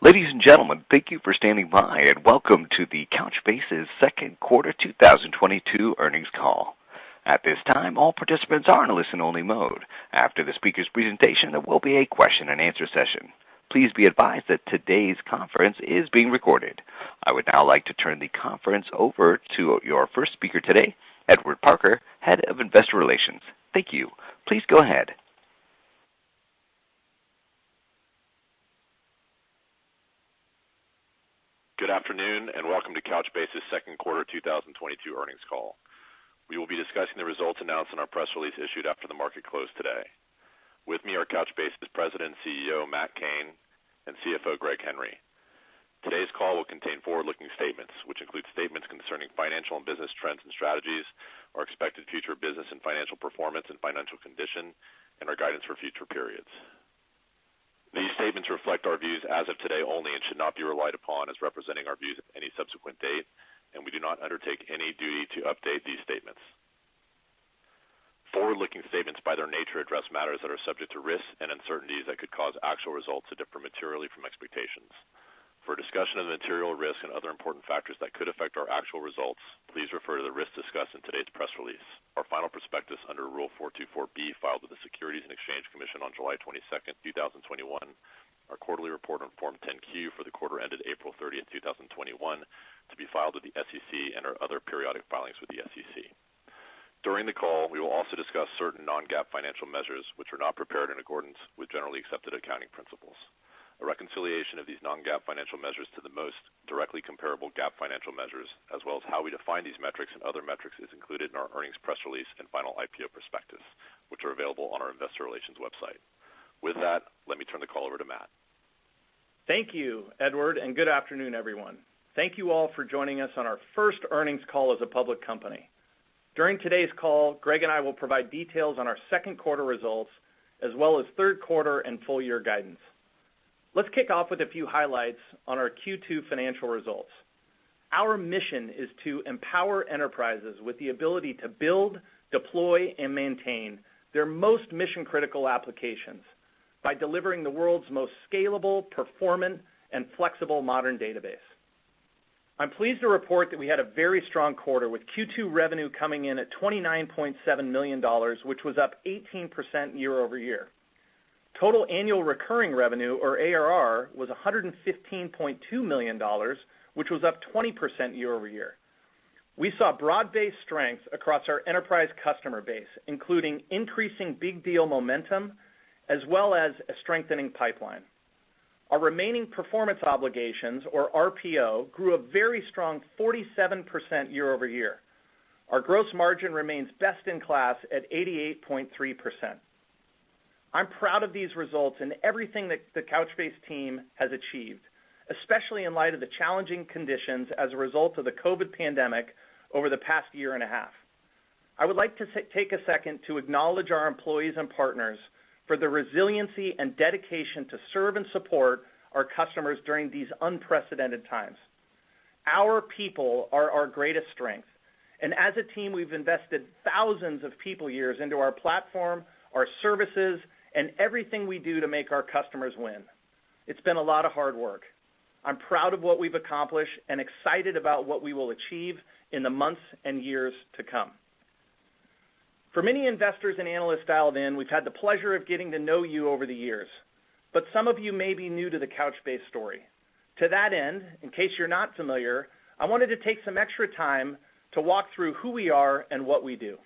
Ladies and gentlemen, thank you for standing by and welcome to Couchbase's second quarter 2022 earnings call. At this time, all participants are in a listen-only mode. After the speaker's presentation, there will be a question and answer session. Please be advised that today's conference is being recorded. I would now like to turn the conference over to your first speaker today, Edward Parker, Head of Investor Relations. Thank you. Please go ahead. Good afternoon and welcome to Couchbase's second quarter 2022 earnings call. We will be discussing the results announced in our press release issued after the market closed today. With me are Couchbase's President, CEO, Matt Cain, and CFO, Greg Henry. Today's call will contain forward-looking statements, which include statements concerning financial and business trends and strategies, our expected future business and financial performance and financial condition, and our guidance for future periods. These statements reflect our views as of today only and should not be relied upon as representing our views at any subsequent date, and we do not undertake any duty to update these statements. Forward-looking statements, by their nature, address matters that are subject to risks and uncertainties that could cause actual results to differ materially from expectations. For a discussion of the material risks and other important factors that could affect our actual results, please refer to the risks discussed in today's press release, our final prospectus under Rule 424 filed with the Securities and Exchange Commission on July 22nd, 2021, our quarterly report on Form 10-Q for the quarter ended April 30th, 2021 to be filed with the SEC, and our other periodic filings with the SEC. During the call, we will also discuss certain non-GAAP financial measures which are not prepared in accordance with generally accepted accounting principles. A reconciliation of these non-GAAP financial measures to the most directly comparable GAAP financial measures, as well as how we define these metrics and other metrics, is included in our earnings press release and final IPO prospectus, which are available on our investor relations website. With that, let me turn the call over to Matt. Thank you, Edward. Good afternoon, everyone. Thank you all for joining us on our first earnings call as a public company. During today's call, Greg and I will provide details on our second quarter results, as well as third quarter and full year guidance. Let's kick off with a few highlights on our Q2 financial results. Our mission is to empower enterprises with the ability to build, deploy, and maintain their most mission-critical applications by delivering the world's most scalable, performant, and flexible modern database. I'm pleased to report that we had a very strong quarter with Q2 revenue coming in at $29.7 million, which was up 18% year-over-year. Total annual recurring revenue, or ARR, was $115.2 million, which was up 20% year-over-year. We saw broad-based strength across our enterprise customer base, including increasing big deal momentum, as well as a strengthening pipeline. Our remaining performance obligations, or RPO, grew a very strong 47% year-over-year. Our gross margin remains best in class at 88.3%. I'm proud of these results and everything that the Couchbase team has achieved, especially in light of the challenging conditions as a result of the COVID pandemic over the past year and a half. I would like to take a second to acknowledge our employees and partners for their resiliency and dedication to serve and support our customers during these unprecedented times. Our people are our greatest strength, and as a team, we've invested thousands of people years into our platform, our services, and everything we do to make our customers win. It's been a lot of hard work. I'm proud of what we've accomplished and excited about what we will achieve in the months and years to come. For many investors and analysts dialed in, we've had the pleasure of getting to know you over the years, but some of you may be new to the Couchbase story. To that end, in case you're not familiar, I wanted to take some extra time to walk through who we are and what we do.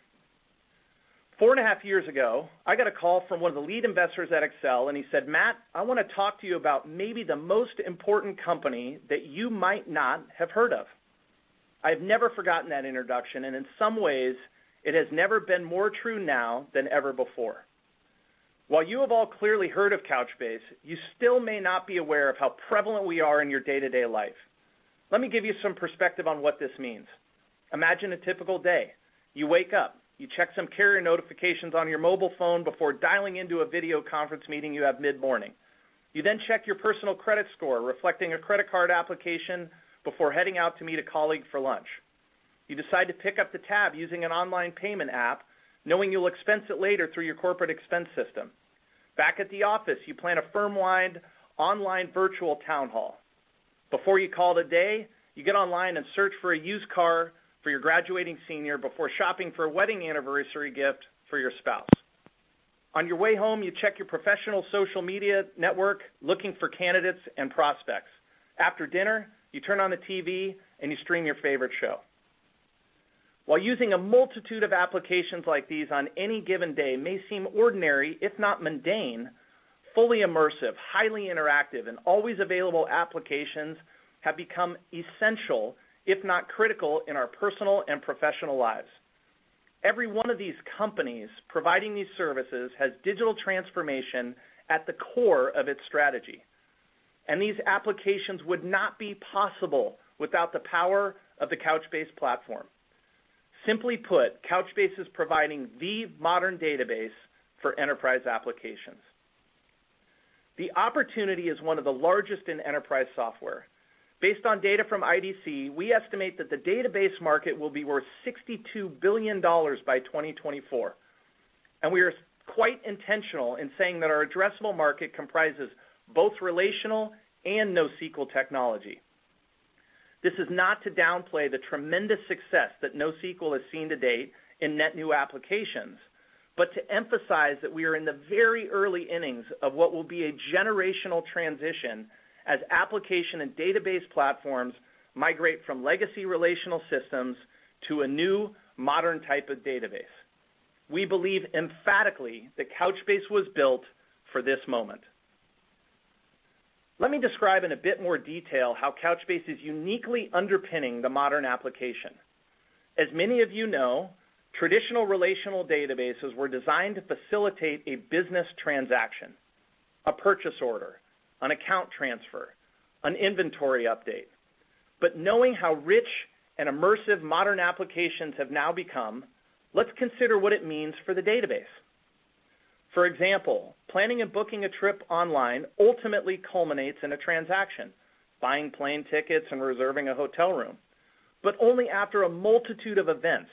Four and a half years ago, I got a call from one of the lead investors at Accel and he said, "Matt, I want to talk to you about maybe the most important company that you might not have heard of." I've never forgotten that introduction, and in some ways it has never been more true now than ever before. While you have all clearly heard of Couchbase, you still may not be aware of how prevalent we are in your day-to-day life. Let me give you some perspective on what this means. Imagine a typical day. You wake up, you check some carrier notifications on your mobile phone before dialing into a video conference meeting you have mid-morning. You then check your personal credit score, reflecting a credit card application before heading out to meet a colleague for lunch. You decide to pick up the tab using an online payment app, knowing you'll expense it later through your corporate expense system. Back at the office, you plan a firm-wide online virtual town hall. Before you call it a day, you get online and search for a used car for your graduating senior before shopping for a wedding anniversary gift for your spouse. On your way home, you check your professional social media network, looking for candidates and prospects. After dinner, you turn on the TV and you stream your favorite show. While using a multitude of applications like these on any given day may seem ordinary, if not mundane, fully immersive, highly interactive, and always available applications have become essential, if not critical, in our personal and professional lives. Every one of these companies providing these services has digital transformation at the core of its strategy, and these applications would not be possible without the power of the Couchbase platform. Simply put, Couchbase is providing the modern database for enterprise applications. The opportunity is one of the largest in enterprise software. Based on data from IDC, we estimate that the database market will be worth $62 billion by 2024. We are quite intentional in saying that our addressable market comprises both relational and NoSQL technology. This is not to downplay the tremendous success that NoSQL has seen to date in net new applications, but to emphasize that we are in the very early innings of what will be a generational transition as application and database platforms migrate from legacy relational systems to a new modern type of database. We believe emphatically that Couchbase was built for this moment. Let me describe in a bit more detail how Couchbase is uniquely underpinning the modern application. As many of you know, traditional relational databases were designed to facilitate a business transaction, a purchase order, an account transfer, an inventory update. Knowing how rich and immersive modern applications have now become, let's consider what it means for the database. For example, planning and booking a trip online ultimately culminates in a transaction, buying plane tickets and reserving a hotel room, but only after a multitude of events,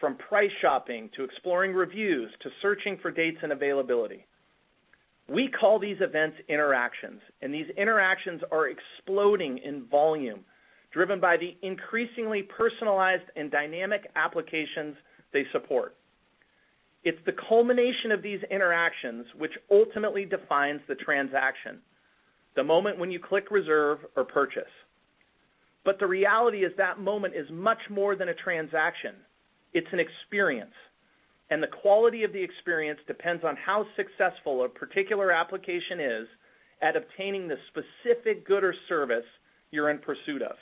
from price shopping to exploring reviews to searching for dates and availability. We call these events interactions. These interactions are exploding in volume, driven by the increasingly personalized and dynamic applications they support. It's the culmination of these interactions which ultimately defines the transaction, the moment when you click reserve or purchase. The reality is that moment is much more than a transaction. It's an experience. The quality of the experience depends on how successful a particular application is at obtaining the specific good or service you're in pursuit of.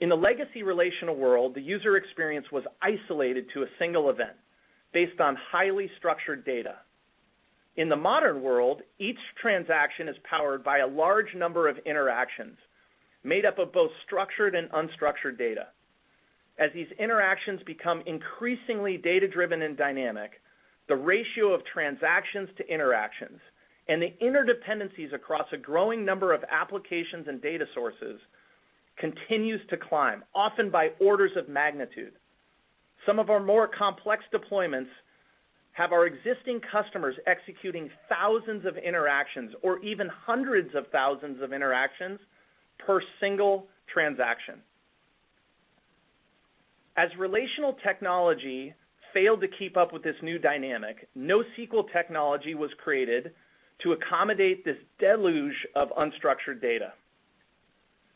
In the legacy relational world, the user experience was isolated to a single event based on highly structured data. In the modern world, each transaction is powered by a large number of interactions made up of both structured and unstructured data. As these interactions become increasingly data-driven and dynamic, the ratio of transactions to interactions and the interdependencies across a growing number of applications and data sources continues to climb, often by orders of magnitude. Some of our more complex deployments have our existing customers executing thousands of interactions or even hundreds of thousands of interactions per single transaction. As relational technology failed to keep up with this new dynamic, NoSQL technology was created to accommodate this deluge of unstructured data.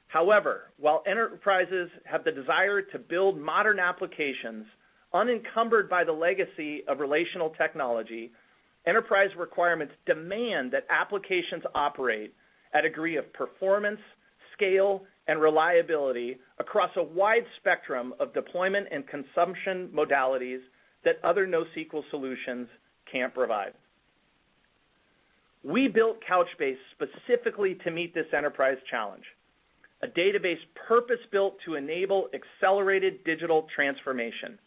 However, while enterprises have the desire to build modern applications unencumbered by the legacy of relational technology, enterprise requirements demand that applications operate at a degree of performance, scale, and reliability across a wide spectrum of deployment and consumption modalities that other NoSQL solutions can't provide. We built Couchbase specifically to meet this enterprise challenge. A database purpose-built to enable accelerated digital transformation.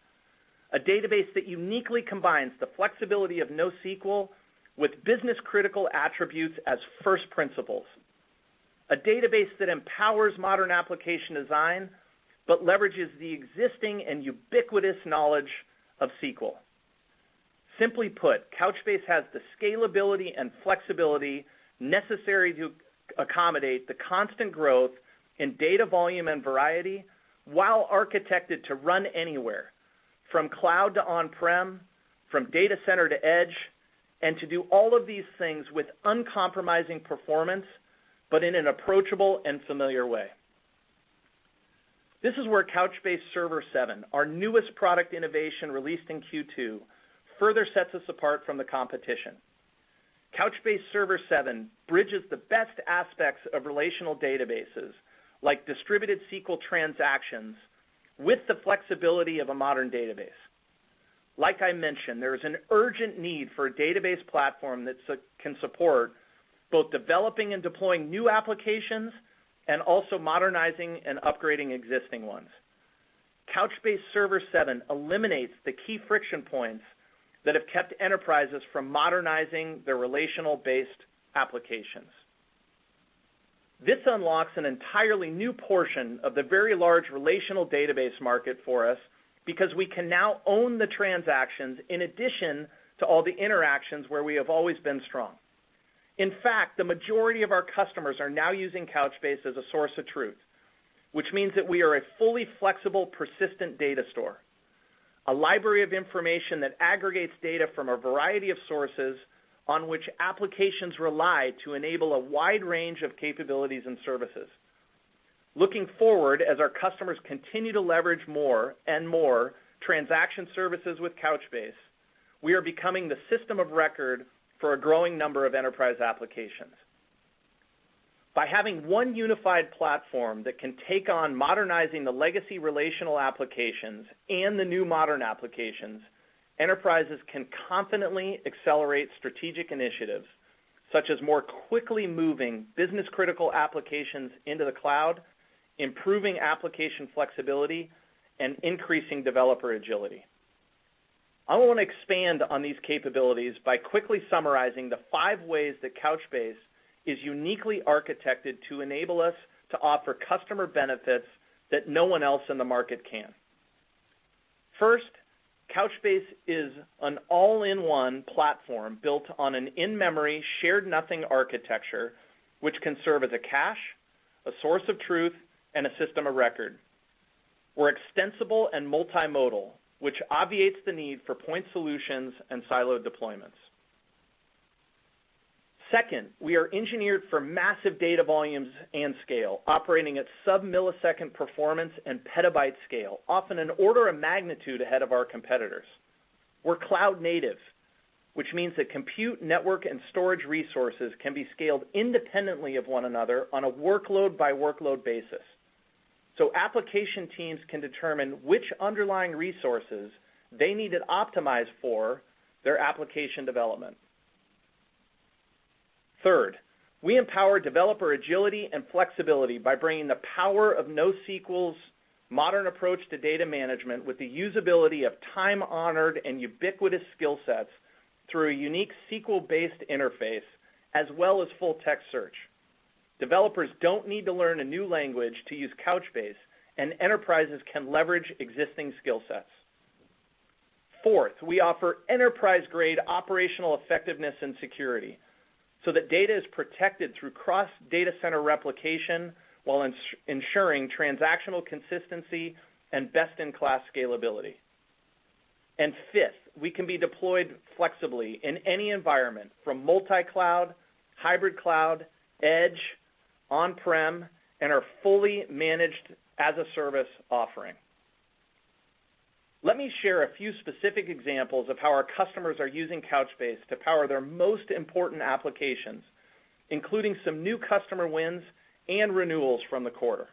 A database that uniquely combines the flexibility of NoSQL with business-critical attributes as first principles. A database that empowers modern application design but leverages the existing and ubiquitous knowledge of SQL. Simply put, Couchbase has the scalability and flexibility necessary to accommodate the constant growth in data volume and variety while architected to run anywhere from cloud to on-prem, from data center to edge, and to do all of these things with uncompromising performance, but in an approachable and familiar way. This is where Couchbase Server 7, our newest product innovation released in Q2, further sets us apart from the competition. Couchbase Server 7 bridges the best aspects of relational databases, like distributed SQL transactions, with the flexibility of a modern database. Like I mentioned, there is an urgent need for a database platform that can support both developing and deploying new applications and also modernizing and upgrading existing ones. Couchbase Server 7 eliminates the key friction points that have kept enterprises from modernizing their relational-based applications. This unlocks an entirely new portion of the very large relational database market for us because we can now own the transactions in addition to all the interactions where we have always been strong. In fact, the majority of our customers are now using Couchbase as a source of truth, which means that we are a fully flexible, persistent data store, a library of information that aggregates data from a variety of sources on which applications rely to enable a wide range of capabilities and services. Looking forward, as our customers continue to leverage more and more transaction services with Couchbase, we are becoming the system of record for a growing number of enterprise applications. By having one unified platform that can take on modernizing the legacy relational applications and the new modern applications, enterprises can confidently accelerate strategic initiatives, such as more quickly moving business-critical applications into the cloud, improving application flexibility, and increasing developer agility. I want to expand on these capabilities by quickly summarizing the five ways that Couchbase is uniquely architected to enable us to offer customer benefits that no one else in the market can. First, Couchbase is an all-in-one platform built on an in-memory shared-nothing architecture, which can serve as a cache, a source of truth, and a system of record. We're extensible and multi-model, which obviates the need for point solutions and siloed deployments. We are engineered for massive data volumes and scale, operating at sub-millisecond performance and petabyte scale, often an order of magnitude ahead of our competitors. We're cloud native, which means that compute, network, and storage resources can be scaled independently of one another on a workload-by-workload basis. Application teams can determine which underlying resources they need it optimized for their application development. We empower developer agility and flexibility by bringing the power of NoSQL's modern approach to data management with the usability of time-honored and ubiquitous skill sets through a unique SQL-based interface, as well as full-text search. Developers don't need to learn a new language to use Couchbase. Enterprises can leverage existing skill sets. We offer enterprise-grade operational effectiveness and security so that data is protected through cross data center replication while ensuring transactional consistency and best-in-class scalability. Fifth, we can be deployed flexibly in any environment, from multi-cloud, hybrid cloud, edge, on-prem, and are a fully managed as-a-service offering. Let me share a few specific examples of how our customers are using Couchbase to power their most important applications, including some new customer wins and renewals from the quarter.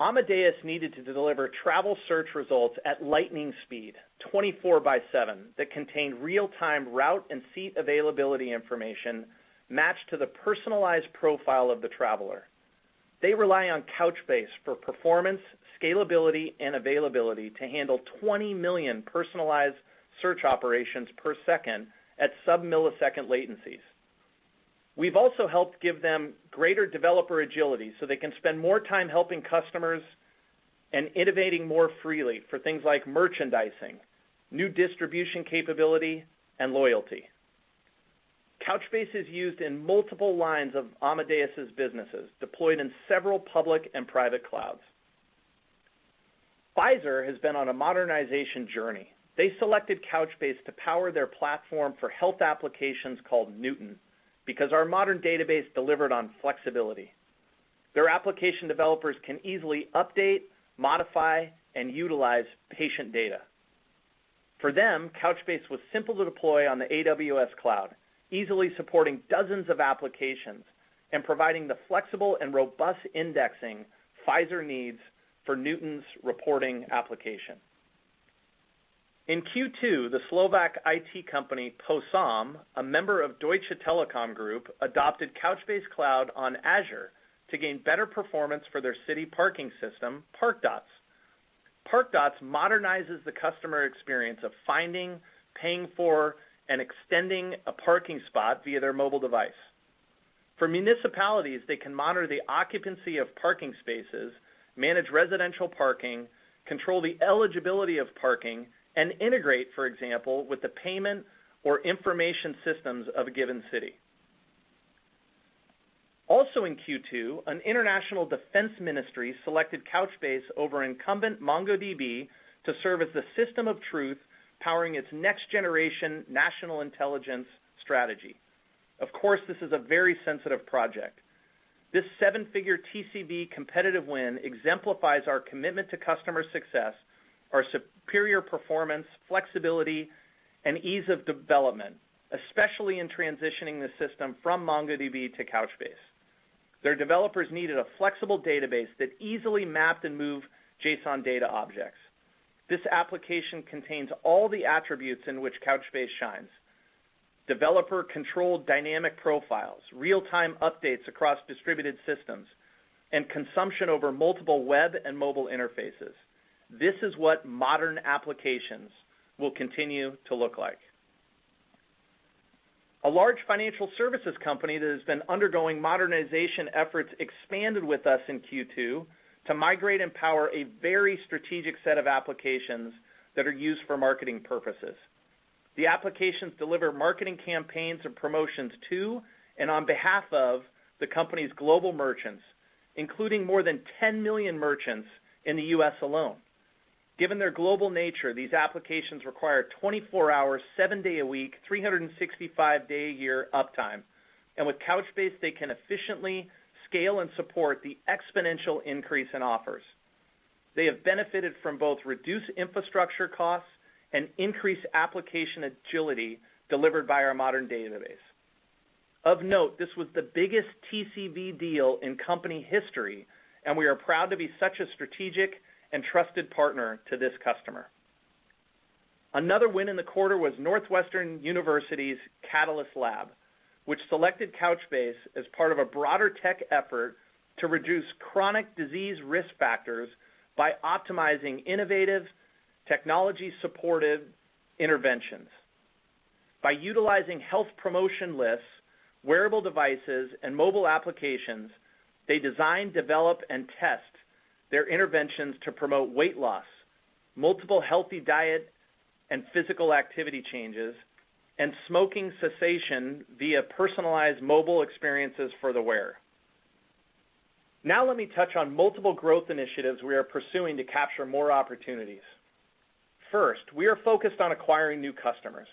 Amadeus needed to deliver travel search results at lightning speed, 24 by seven, that contained real-time route and seat availability information matched to the personalized profile of the traveler. They rely on Couchbase for performance, scalability, and availability to handle 20 million personalized search operations per second at sub-millisecond latencies. We've also helped give them greater developer agility so they can spend more time helping customers and innovating more freely for things like merchandising, new distribution capability, and loyalty. Couchbase is used in multiple lines of Amadeus's businesses, deployed in several public and private clouds. Pfizer has been on a modernization journey. They selected Couchbase to power their platform for health applications called Newton because our modern database delivered on flexibility. Their application developers can easily update, modify, and utilize patient data. For them, Couchbase was simple to deploy on the AWS cloud, easily supporting dozens of applications and providing the flexible and robust indexing Pfizer needs for Newton's reporting application. In Q2, the Slovak IT company, PosAm, a member of Deutsche Telekom Group, adopted Couchbase Cloud on Azure to gain better performance for their city parking system, ParkDots. ParkDots modernizes the customer experience of finding, paying for, and extending a parking spot via their mobile device. For municipalities, they can monitor the occupancy of parking spaces, manage residential parking, control the eligibility of parking, and integrate, for example, with the payment or information systems of a given city. Also in Q2, an international defense ministry selected Couchbase over incumbent MongoDB to serve as the system of truth powering its next-generation national intelligence strategy. Of course, this is a very sensitive project. This 7-figure TCV competitive win exemplifies our commitment to customer success, our superior performance, flexibility, and ease of development, especially in transitioning the system from MongoDB to Couchbase. Their developers needed a flexible database that easily mapped and moved JSON data objects. This application contains all the attributes in which Couchbase shines, developer-controlled dynamic profiles, real-time updates across distributed systems, and consumption over multiple web and mobile interfaces. This is what modern applications will continue to look like. A large financial services company that has been undergoing modernization efforts expanded with us in Q2 to migrate and power a very strategic set of applications that are used for marketing purposes. The applications deliver marketing campaigns and promotions to and on behalf of the company's global merchants, including more than 10 million merchants in the U.S. alone. Given their global nature, these applications require 24-hour, seven-day-a-week, 365-day-a-year uptime, and with Couchbase, they can efficiently scale and support the exponential increase in offers. They have benefited from both reduced infrastructure costs and increased application agility delivered by our modern database. Of note, this was the biggest TCV deal in company history, and we are proud to be such a strategic and trusted partner to this customer. Another win in the quarter was Northwestern University's Catalyst Lab, which selected Couchbase as part of a broader tech effort to reduce chronic disease risk factors by optimizing innovative technology-supported interventions. By utilizing health promotion lists, wearable devices, and mobile applications, they design, develop, and test their interventions to promote weight loss, multiple healthy diet and physical activity changes, and smoking cessation via personalized mobile experiences for the wearer. Let me touch on multiple growth initiatives we are pursuing to capture more opportunities. First, we are focused on acquiring new customers.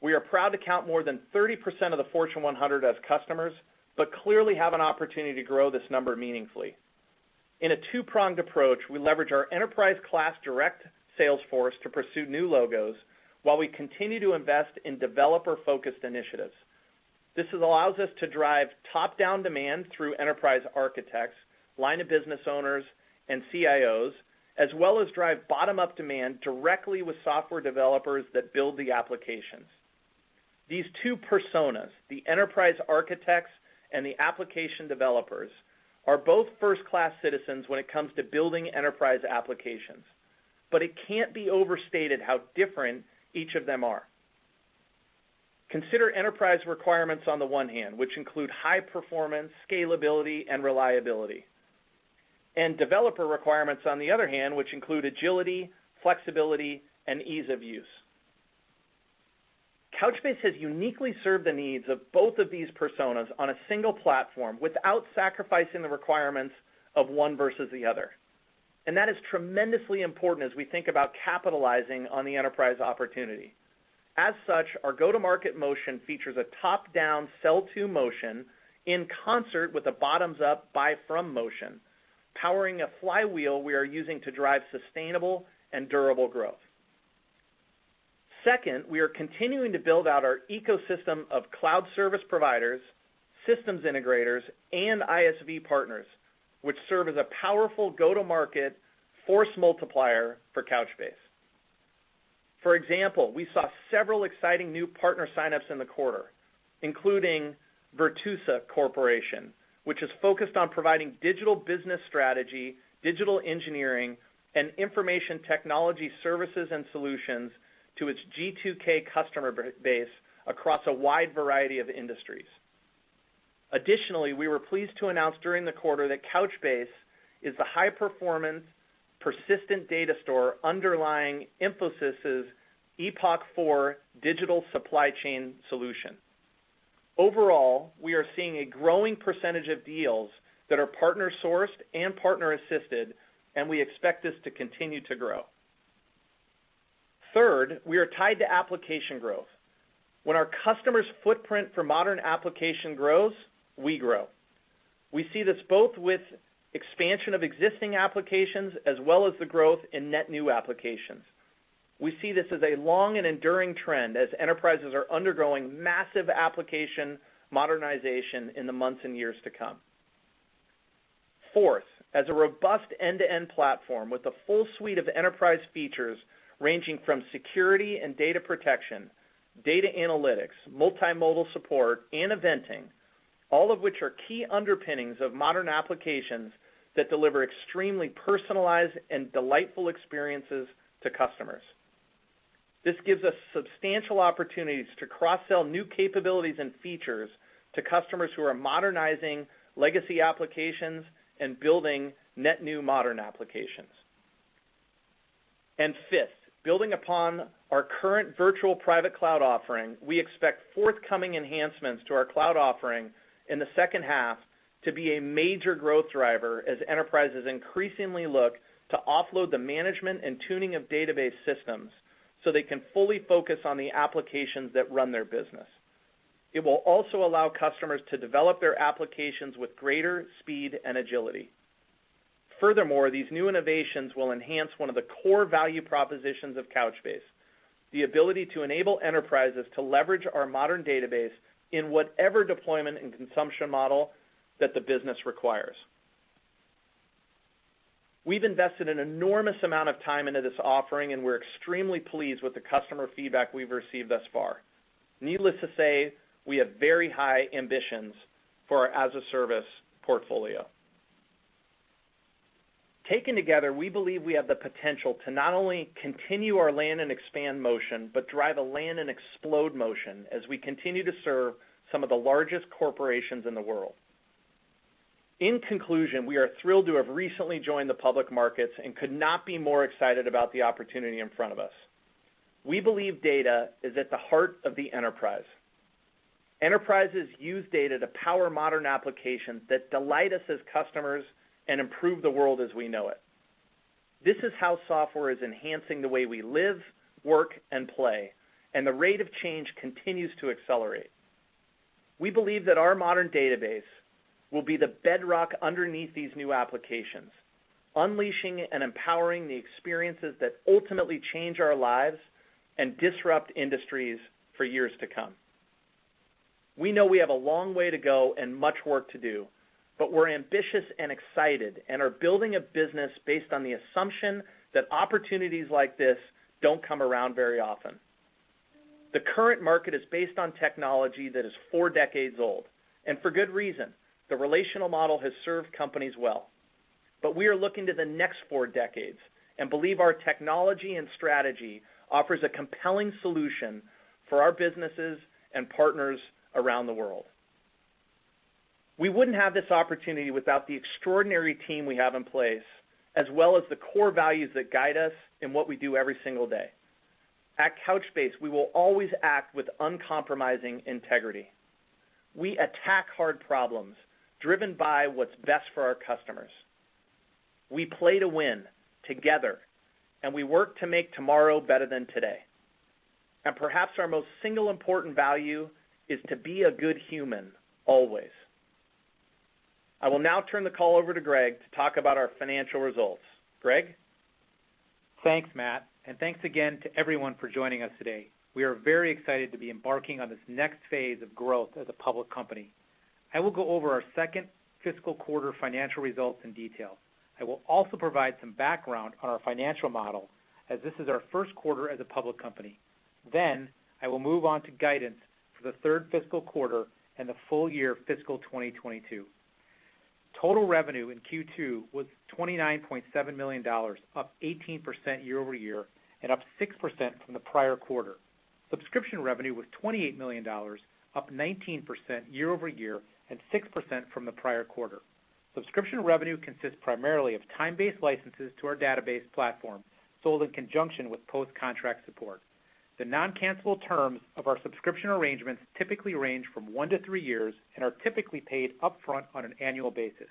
We are proud to count more than 30% of the Fortune 100 as customers, but clearly have an opportunity to grow this number meaningfully. In a two-pronged approach, we leverage our enterprise class direct sales force to pursue new logos, while we continue to invest in developer-focused initiatives. This allows us to drive top-down demand through enterprise architects, line of business owners, and CIOs, as well as drive bottom-up demand directly with software developers that build the applications. These two personas, the enterprise architects and the application developers, are both first-class citizens when it comes to building enterprise applications. It can't be overstated how different each of them are. Consider enterprise requirements on the one hand, which include high performance, scalability, and reliability. Developer requirements on the other hand, which include agility, flexibility, and ease of use. Couchbase has uniquely served the needs of both of these personas on a single platform without sacrificing the requirements of one versus the other, and that is tremendously important as we think about capitalizing on the enterprise opportunity. As such, our go-to-market motion features a top-down sell-to motion in concert with a bottoms-up buy from motion, powering a flywheel we are using to drive sustainable and durable growth. Second, we are continuing to build out our ecosystem of cloud service providers, systems integrators, and ISV partners, which serve as a powerful go-to-market force multiplier for Couchbase. For example, we saw several exciting new partner sign-ups in the quarter, including Virtusa Corporation, which is focused on providing digital business strategy, digital engineering, and information technology services and solutions to its G2K customer base across a wide variety of industries. We were pleased to announce during the quarter that Couchbase is the high-performance persistent data store underlying Infosys' EPOCH 4.0 digital supply chain solution. Overall, we are seeing a growing percentage of deals that are partner sourced and partner assisted, and we expect this to continue to grow. Third, we are tied to application growth. When our customer's footprint for modern application grows, we grow. We see this both with expansion of existing applications as well as the growth in net new applications. We see this as a long and enduring trend as enterprises are undergoing massive application modernization in the months and years to come. Fourth, as a robust end-to-end platform with a full suite of enterprise features ranging from security and data protection, data analytics, multimodal support, and eventing, all of which are key underpinnings of modern applications that deliver extremely personalized and delightful experiences to customers. This gives us substantial opportunities to cross-sell new capabilities and features to customers who are modernizing legacy applications and building net new modern applications. Fifth, building upon our current virtual private cloud offering, we expect forthcoming enhancements to our cloud offering in the second half to be a major growth driver as enterprises increasingly look to offload the management and tuning of database systems, so they can fully focus on the applications that run their business. It will also allow customers to develop their applications with greater speed and agility. These new innovations will enhance one of the core value propositions of Couchbase, the ability to enable enterprises to leverage our modern database in whatever deployment and consumption model that the business requires. We've invested an enormous amount of time into this offering, and we're extremely pleased with the customer feedback we've received thus far. Needless to say, we have very high ambitions for our as a service portfolio. Taken together, we believe we have the potential to not only continue our land and expand motion, but drive a land and explode motion as we continue to serve some of the largest corporations in the world. In conclusion, we are thrilled to have recently joined the public markets and could not be more excited about the opportunity in front of us. We believe data is at the heart of the enterprise. Enterprises use data to power modern applications that delight us as customers and improve the world as we know it. This is how software is enhancing the way we live, work, and play, and the rate of change continues to accelerate. We believe that our modern database will be the bedrock underneath these new applications, unleashing and empowering the experiences that ultimately change our lives and disrupt industries for years to come. We know we have a long way to go and much work to do, we're ambitious and excited and are building a business based on the assumption that opportunities like this don't come around very often. The current market is based on technology that is 4 decades old, for good reason. The relational model has served companies well. We are looking to the next 4 decades and believe our technology and strategy offers a compelling solution for our businesses and partners around the world. We wouldn't have this opportunity without the extraordinary team we have in place, as well as the core values that guide us in what we do every single day. At Couchbase, we will always act with uncompromising integrity. We attack hard problems, driven by what's best for our customers. We play to win together, we work to make tomorrow better than today. Perhaps our most single important value is to be a good human, always. I will now turn the call over to Greg to talk about our financial results. Greg? Thanks, Matt, and thanks again to everyone for joining us today. We are very excited to be embarking on this next phase of growth as a public company. I will go over our second fiscal quarter financial results in detail. I will also provide some background on our financial model, as this is our first quarter as a public company. I will move on to guidance for the third fiscal quarter and the full year fiscal 2022. Total revenue in Q2 was $29.7 million, up 18% year-over-year and up 6% from the prior quarter. Subscription revenue was $28 million, up 19% year-over-year and 6% from the prior quarter. Subscription revenue consists primarily of time-based licenses to our database platform, sold in conjunction with post-contract support. The non-cancellable terms of our subscription arrangements typically range from one to three years and are typically paid upfront on an annual basis.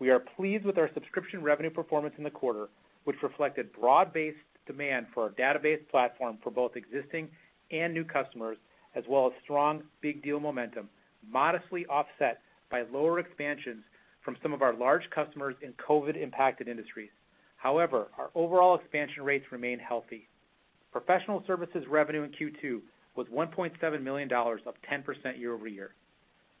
We are pleased with our subscription revenue performance in the quarter, which reflected broad-based demand for our database platform for both existing and new customers, as well as strong big deal momentum, modestly offset by lower expansions from some of our large customers in COVID-impacted industries. However, our overall expansion rates remain healthy. Professional services revenue in Q2 was $1.7 million, up 10% year-over-year.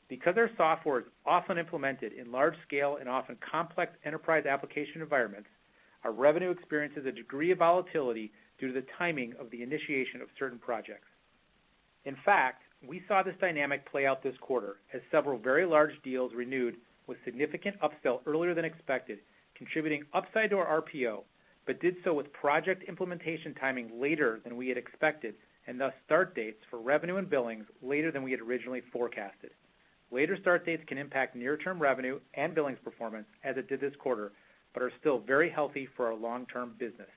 Because our software is often implemented in large scale and often complex enterprise application environments, our revenue experiences a degree of volatility due to the timing of the initiation of certain projects. In fact, we saw this dynamic play out this quarter as several very large deals renewed with significant upsell earlier than expected, contributing upside to our RPO, but did so with project implementation timing later than we had expected, and thus start dates for revenue and billings later than we had originally forecasted. Later start dates can impact near-term revenue and billings performance as it did this quarter, but are still very healthy for our long-term business.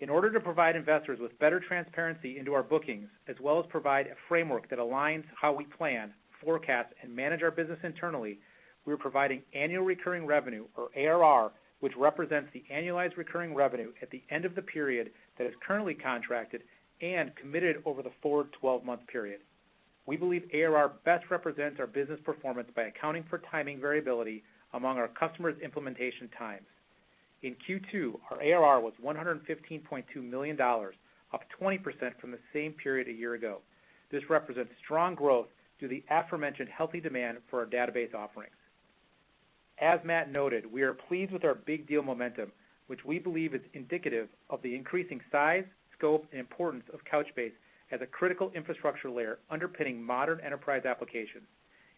In order to provide investors with better transparency into our bookings, as well as provide a framework that aligns how we plan, forecast, and manage our business internally, we are providing annual recurring revenue, or ARR, which represents the annualized recurring revenue at the end of the period that is currently contracted and committed over the forward 12-month period. We believe ARR best represents our business performance by accounting for timing variability among our customers' implementation times. In Q2, our ARR was $115.2 million, up 20% from the same period a year ago. This represents strong growth due to the aforementioned healthy demand for our database offerings. As Matt noted, we are pleased with our big deal momentum, which we believe is indicative of the increasing size, scope, and importance of Couchbase as a critical infrastructure layer underpinning modern enterprise applications.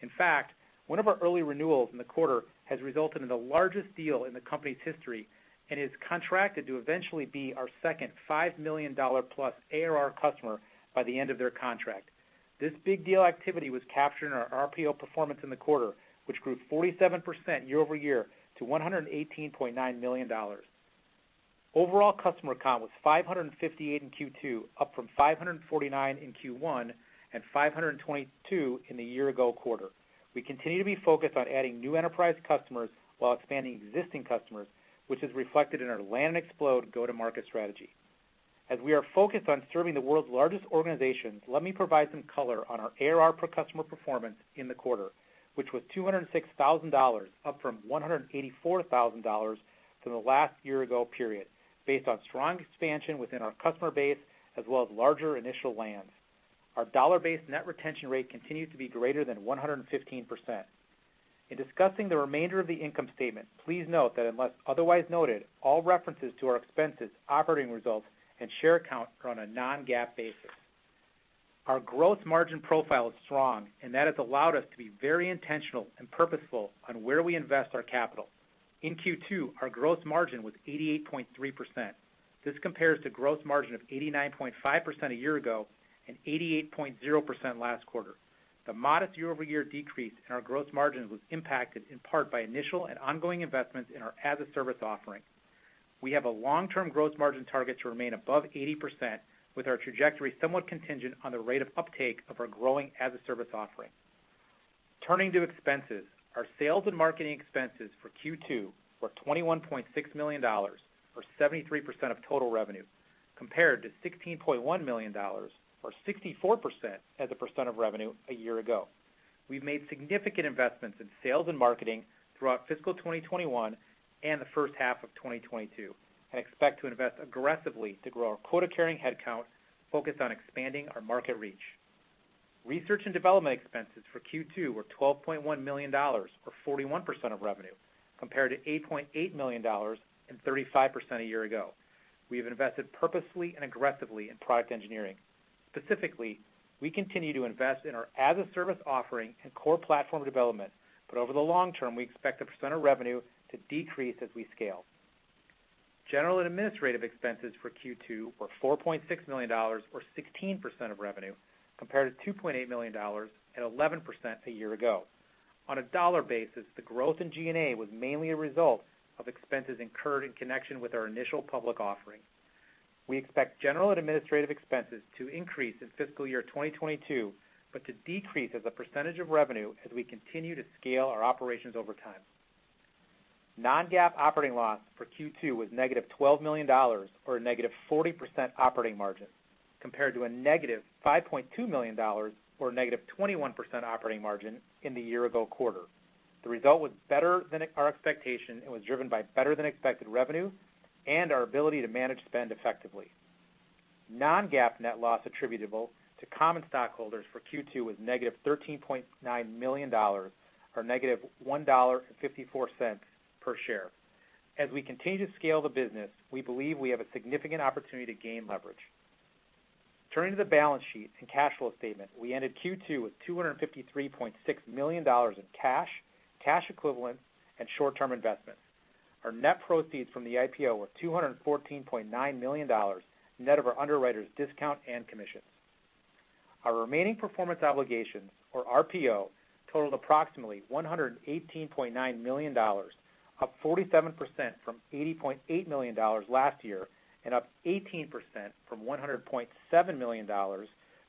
In fact, one of our early renewals in the quarter has resulted in the largest deal in the company's history and is contracted to eventually be our second $5 million plus ARR customer by the end of their contract. This big deal activity was captured in our RPO performance in the quarter, which grew 47% year-over-year to $118.9 million. Overall customer count was 558 in Q2, up from 549 in Q1 and 522 in the year-ago quarter. We continue to be focused on adding new enterprise customers while expanding existing customers, which is reflected in our land and expand go-to-market strategy. As we are focused on serving the world's largest organizations, let me provide some color on our ARR per customer performance in the quarter, which was $206,000, up from $184,000 from the last year-ago period, based on strong expansion within our customer base, as well as larger initial lands. Our dollar-based net retention rate continues to be greater than 115%. In discussing the remainder of the income statement, please note that unless otherwise noted, all references to our expenses, operating results, and share count are on a non-GAAP basis. Our gross margin profile is strong, and that has allowed us to be very intentional and purposeful on where we invest our capital. In Q2, our gross margin was 88.3%. This compares to gross margin of 89.5% a year ago and 88.0% last quarter. The modest year-over-year decrease in our gross margin was impacted in part by initial and ongoing investments in our as-a-service offering. We have a long-term gross margin target to remain above 80%, with our trajectory somewhat contingent on the rate of uptake of our growing as-a-service offering. Turning to expenses, our sales and marketing expenses for Q2 were $21.6 million, or 73% of total revenue, compared to $16.1 million, or 64% as a percent of revenue, a year ago. We've made significant investments in sales and marketing throughout fiscal 2021 and the first half of 2022, expect to invest aggressively to grow our quota-carrying headcount focused on expanding our market reach. Research and development expenses for Q2 were $12.1 million, or 41% of revenue, compared to $8.8 million and 35% a year ago. We have invested purposefully and aggressively in product engineering. Specifically, we continue to invest in our as-a-service offering and core platform development, over the long term, we expect the percent of revenue to decrease as we scale. General and administrative expenses for Q2 were $4.6 million, or 16% of revenue, compared to $2.8 million at 11% a year ago. On a dollar basis, the growth in G&A was mainly a result of expenses incurred in connection with our initial public offering. We expect general and administrative expenses to increase in fiscal year 2022, but to decrease as a percentage of revenue as we continue to scale our operations over time. non-GAAP operating loss for Q2 was -$12 million, or a -40% operating margin, compared to a -$5.2 million, or a -21% operating margin in the year-ago quarter. The result was better than our expectation and was driven by better than expected revenue and our ability to manage spend effectively. non-GAAP net loss attributable to common stockholders for Q2 was -$13.9 million, or -$1.54 per share. As we continue to scale the business, we believe we have a significant opportunity to gain leverage. Turning to the balance sheet and cash flow statement, we ended Q2 with $253.6 million in cash equivalents, and short-term investments. Our net proceeds from the IPO were $214.9 million, net of our underwriter's discount and commissions. Our remaining performance obligations, or RPO, totaled approximately $118.9 million, up 47% from $80.8 million last year, and up 18% from $100.7 million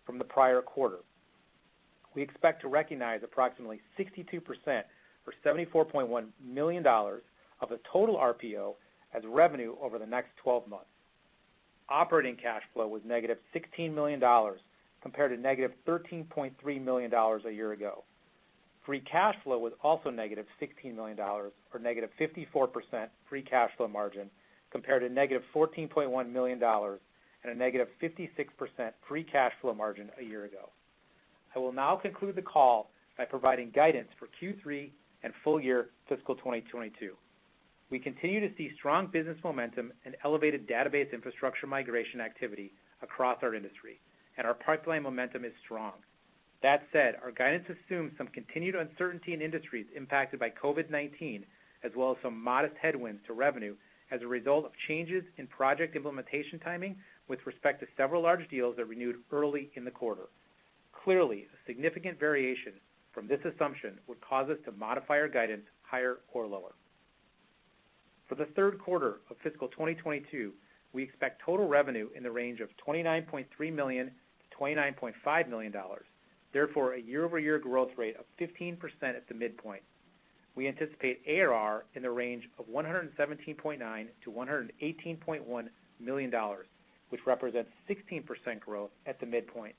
from the prior quarter. We expect to recognize approximately 62%, or $74.1 million, of the total RPO as revenue over the next 12 months. Operating cash flow was negative $16 million compared to negative $13.3 million a year ago. Free cash flow was also negative $16 million, or negative 54% free cash flow margin, compared to negative $14.1 million and a negative 56% free cash flow margin a year ago. I will now conclude the call by providing guidance for Q3 and full year fiscal 2022. We continue to see strong business momentum and elevated database infrastructure migration activity across our industry, and our pipeline momentum is strong. That said, our guidance assumes some continued uncertainty in industries impacted by COVID-19, as well as some modest headwinds to revenue as a result of changes in project implementation timing with respect to several large deals that renewed early in the quarter. Clearly, a significant variation from this assumption would cause us to modify our guidance higher or lower. For the third quarter of fiscal 2022, we expect total revenue in the range of $29.3 million-$29.5 million. Therefore, a year-over-year growth rate of 15% at the midpoint. We anticipate ARR in the range of $117.9 million-$118.1 million, which represents 16% growth at the midpoint.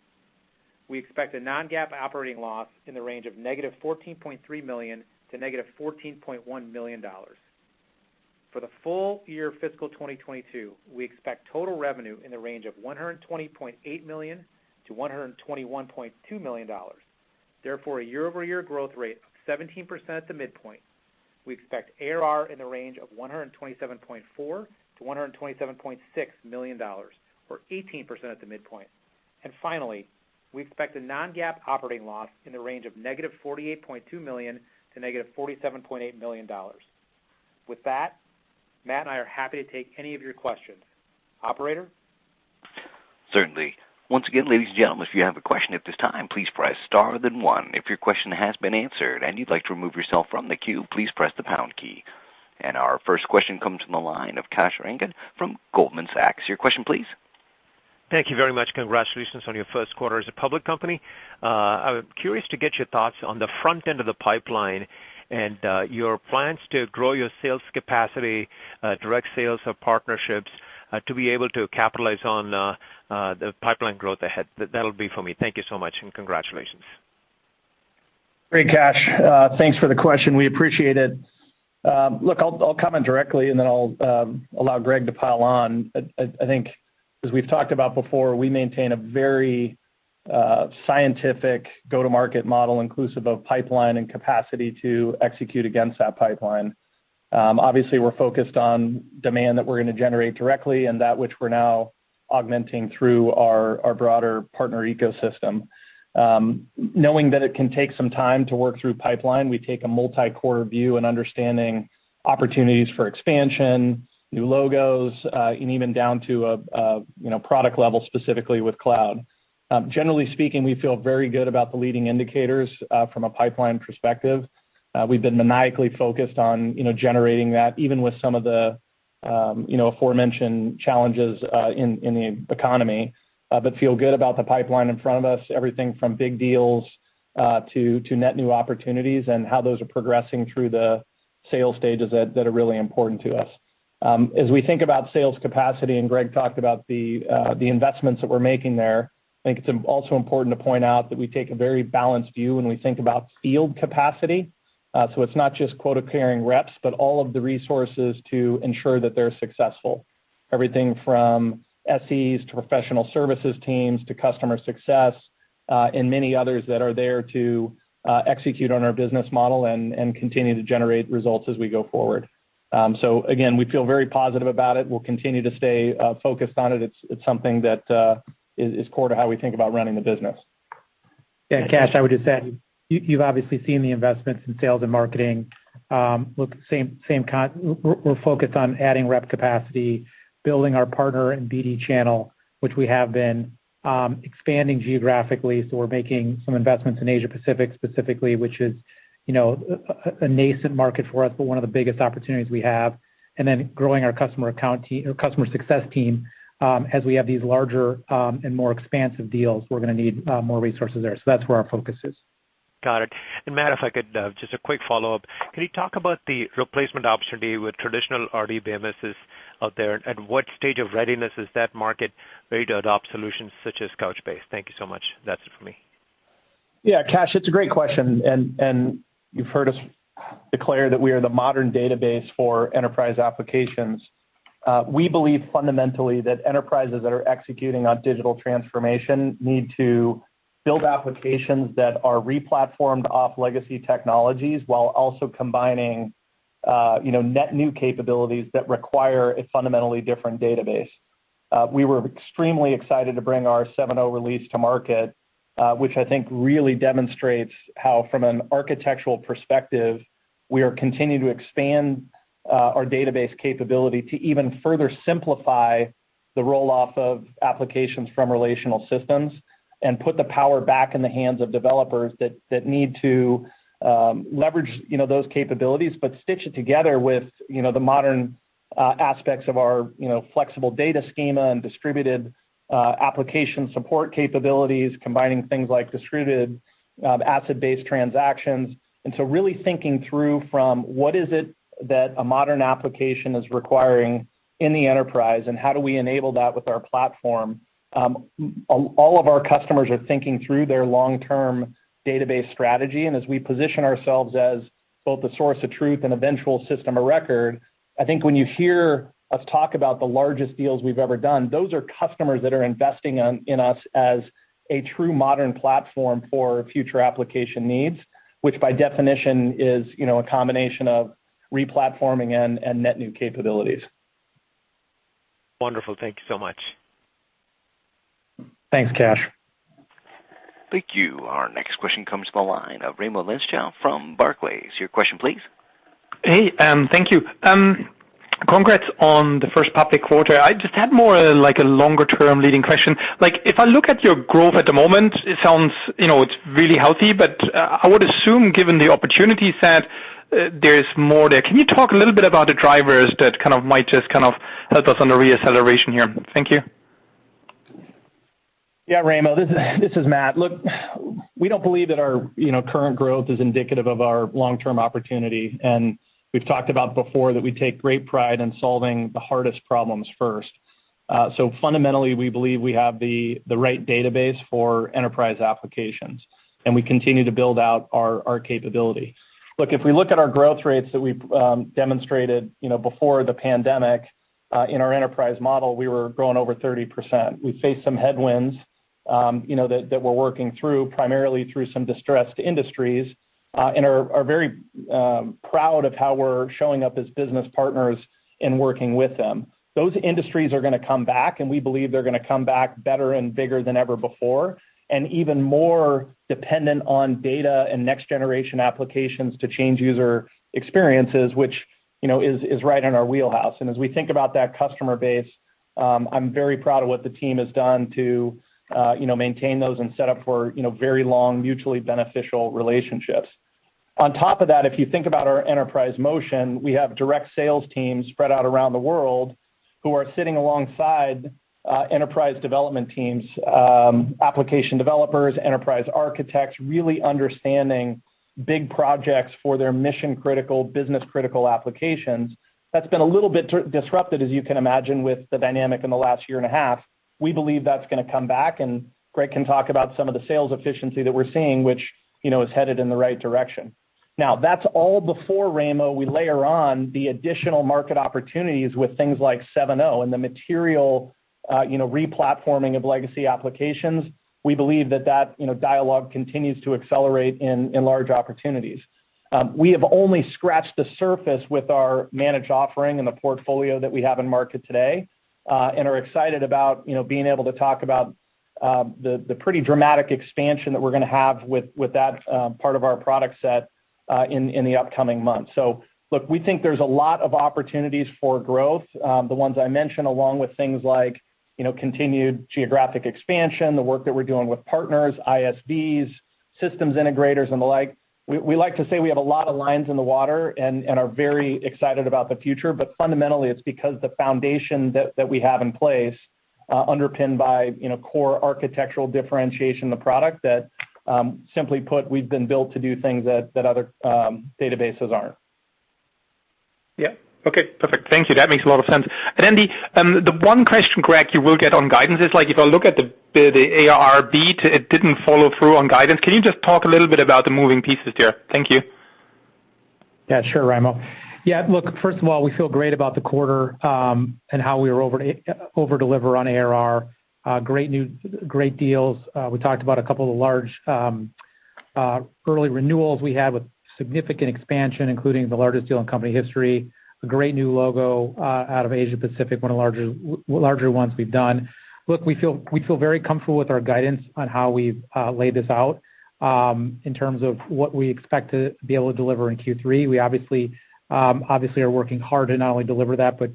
We expect a non-GAAP operating loss in the range of -$14.3 million to -$14.1 million. For the full year fiscal 2022, we expect total revenue in the range of $120.8 million-$121.2 million. Therefore, a year-over-year growth rate of 17% at the midpoint. We expect ARR in the range of $127.4 million-$127.6 million, or 18% at the midpoint. Finally, we expect a non-GAAP operating loss in the range of negative $48.2 to negative $47.8 million. With that, Matt and I are happy to take any of your questions. Operator? Our first question comes from the line of Kash Rangan from Goldman Sachs. Your question, please. Thank you very much. Congratulations on your first quarter as a public company. I am curious to get your thoughts on the front end of the pipeline, and your plans to grow your sales capacity, direct sales or partnerships, to be able to capitalize on the pipeline growth ahead. That will be for me. Thank you so much, and congratulations. Great, Kash. Thanks for the question. We appreciate it. Look, I'll comment directly, and then I'll allow Greg to pile on. I think as we've talked about before, we maintain a very scientific go-to-market model inclusive of pipeline and capacity to execute against that pipeline. Obviously, we're focused on demand that we're going to generate directly and that which we're now augmenting through our broader partner ecosystem. Knowing that it can take some time to work through pipeline, we take a multi-core view in understanding opportunities for expansion, new logos, and even down to a product level specifically with cloud. Generally speaking, we feel very good about the leading indicators from a pipeline perspective. We've been maniacally focused on generating that, even with some of the aforementioned challenges in the economy. Feel good about the pipeline in front of us, everything from big deals to net new opportunities and how those are progressing through the sales stages that are really important to us. As we think about sales capacity, and Greg talked about the investments that we're making there, I think it's also important to point out that we take a very balanced view when we think about field capacity. It's not just quota-carrying reps, but all of the resources to ensure that they're successful. Everything from SEs to professional services teams, to customer success, and many others that are there to execute on our business model and continue to generate results as we go forward. Again, we feel very positive about it. We'll continue to stay focused on it. It's something that is core to how we think about running the business. Yeah, Kash, I would just add, you've obviously seen the investments in sales and marketing. Look, same kind. We're focused on adding rep capacity, building our partner and BD channel, which we have been expanding geographically. We're making some investments in Asia-Pacific specifically, which is a nascent market for us, but one of the biggest opportunities we have, and then growing our customer success team. As we have these larger and more expansive deals, we're going to need more resources there. That's where our focus is. Got it. Matt, if I could, just a quick follow-up. Can you talk about the replacement opportunity with traditional RDBMSs out there? At what stage of readiness is that market ready to adopt solutions such as Couchbase? Thank you so much. That's it for me. Yeah, Kash, it's a great question, and you've heard us declare that we are the modern database for enterprise applications. We believe fundamentally that enterprises that are executing on digital transformation need to build applications that are replatformed off legacy technologies while also combining net new capabilities that require a fundamentally different database. We were extremely excited to bring our 7.0 release to market, which I think really demonstrates how, from an architectural perspective, we are continuing to expand our database capability to even further simplify the roll-off of applications from relational systems and put the power back in the hands of developers that need to leverage those capabilities, but stitch it together with the modern aspects of our flexible data schema and distributed application support capabilities, combining things like distributed ACID transactions. Really thinking through from what is it that a modern application is requiring in the enterprise, and how do we enable that with our platform? All of our customers are thinking through their long-term database strategy, and as we position ourselves as both a source of truth and eventual system of record, I think when you hear us talk about the largest deals we've ever done, those are customers that are investing in us as a true modern platform for future application needs, which by definition is a combination of replatforming and net new capabilities. Wonderful. Thank you so much. Thanks, Kash. Thank you. Our next question comes from the line of Raimo Lenschow from Barclays. Your question please. Hey, thank you. Congrats on the first public quarter. I just had more like a longer-term leading question. If I look at your growth at the moment, it sounds it's really healthy, but I would assume given the opportunity set, there's more there. Can you talk a little bit about the drivers that kind of might just help us on the reacceleration here? Thank you. Yeah. Raimo, this is Matt. Look, we don't believe that our current growth is indicative of our long-term opportunity, and we've talked about before that we take great pride in solving the hardest problems first. Fundamentally, we believe we have the right database for enterprise applications, and we continue to build out our capabilities. Look, if we look at our growth rates that we've demonstrated before the pandemic, in our enterprise model, we were growing over 30%. We faced some headwinds that we're working through, primarily through some distressed industries, and are very proud of how we're showing up as business partners in working with them. Those industries are going to come back, and we believe they're going to come back better and bigger than ever before, and even more dependent on data and next-generation applications to change user experiences, which is right in our wheelhouse. As we think about that customer base, I'm very proud of what the team has done to maintain those and set up for very long, mutually beneficial relationships. On top of that, if you think about our enterprise motion, we have direct sales teams spread out around the world who are sitting alongside enterprise development teams, application developers, enterprise architects, really understanding big projects for their mission-critical, business-critical applications. That's been a little bit disrupted, as you can imagine, with the dynamic in the last one and a half years. We believe that's going to come back, and Greg can talk about some of the sales efficiency that we're seeing, which is headed in the right direction. That's all before, Raimo, we layer on the additional market opportunities with things like 7.0 and the material replatforming of legacy applications. We believe that dialogue continues to accelerate in large opportunities. We have only scratched the surface with our managed offering and the portfolio that we have in market today, and are excited about being able to talk about the pretty dramatic expansion that we're going to have with that part of our product set in the upcoming months. Look, we think there's a lot of opportunities for growth. The ones I mentioned, along with things like continued geographic expansion, the work that we're doing with partners, ISVs, systems integrators, and the like. We like to say we have a lot of lines in the water and are very excited about the future. Fundamentally, it's because the foundation that we have in place underpinned by core architectural differentiation of product that, simply put, we've been built to do things that other databases aren't. Yeah. Okay, perfect. Thank you. That makes a lot of sense. The one question, Greg, you will get on guidance is if I look at the ARR beat, it didn't follow through on guidance. Can you just talk a little bit about the moving pieces there? Thank you. Yeah, sure, Raimo. Yeah, look, first of all, we feel great about the quarter, and how we over-deliver on ARR. Great deals. We talked about a couple of large early renewals we had with significant expansion, including the largest deal in company history, a great new logo out of Asia Pacific, one of the larger ones we've done. Look, we feel very comfortable with our guidance on how we've laid this out, in terms of what we expect to be able to deliver in Q3. We obviously are working hard to not only deliver that but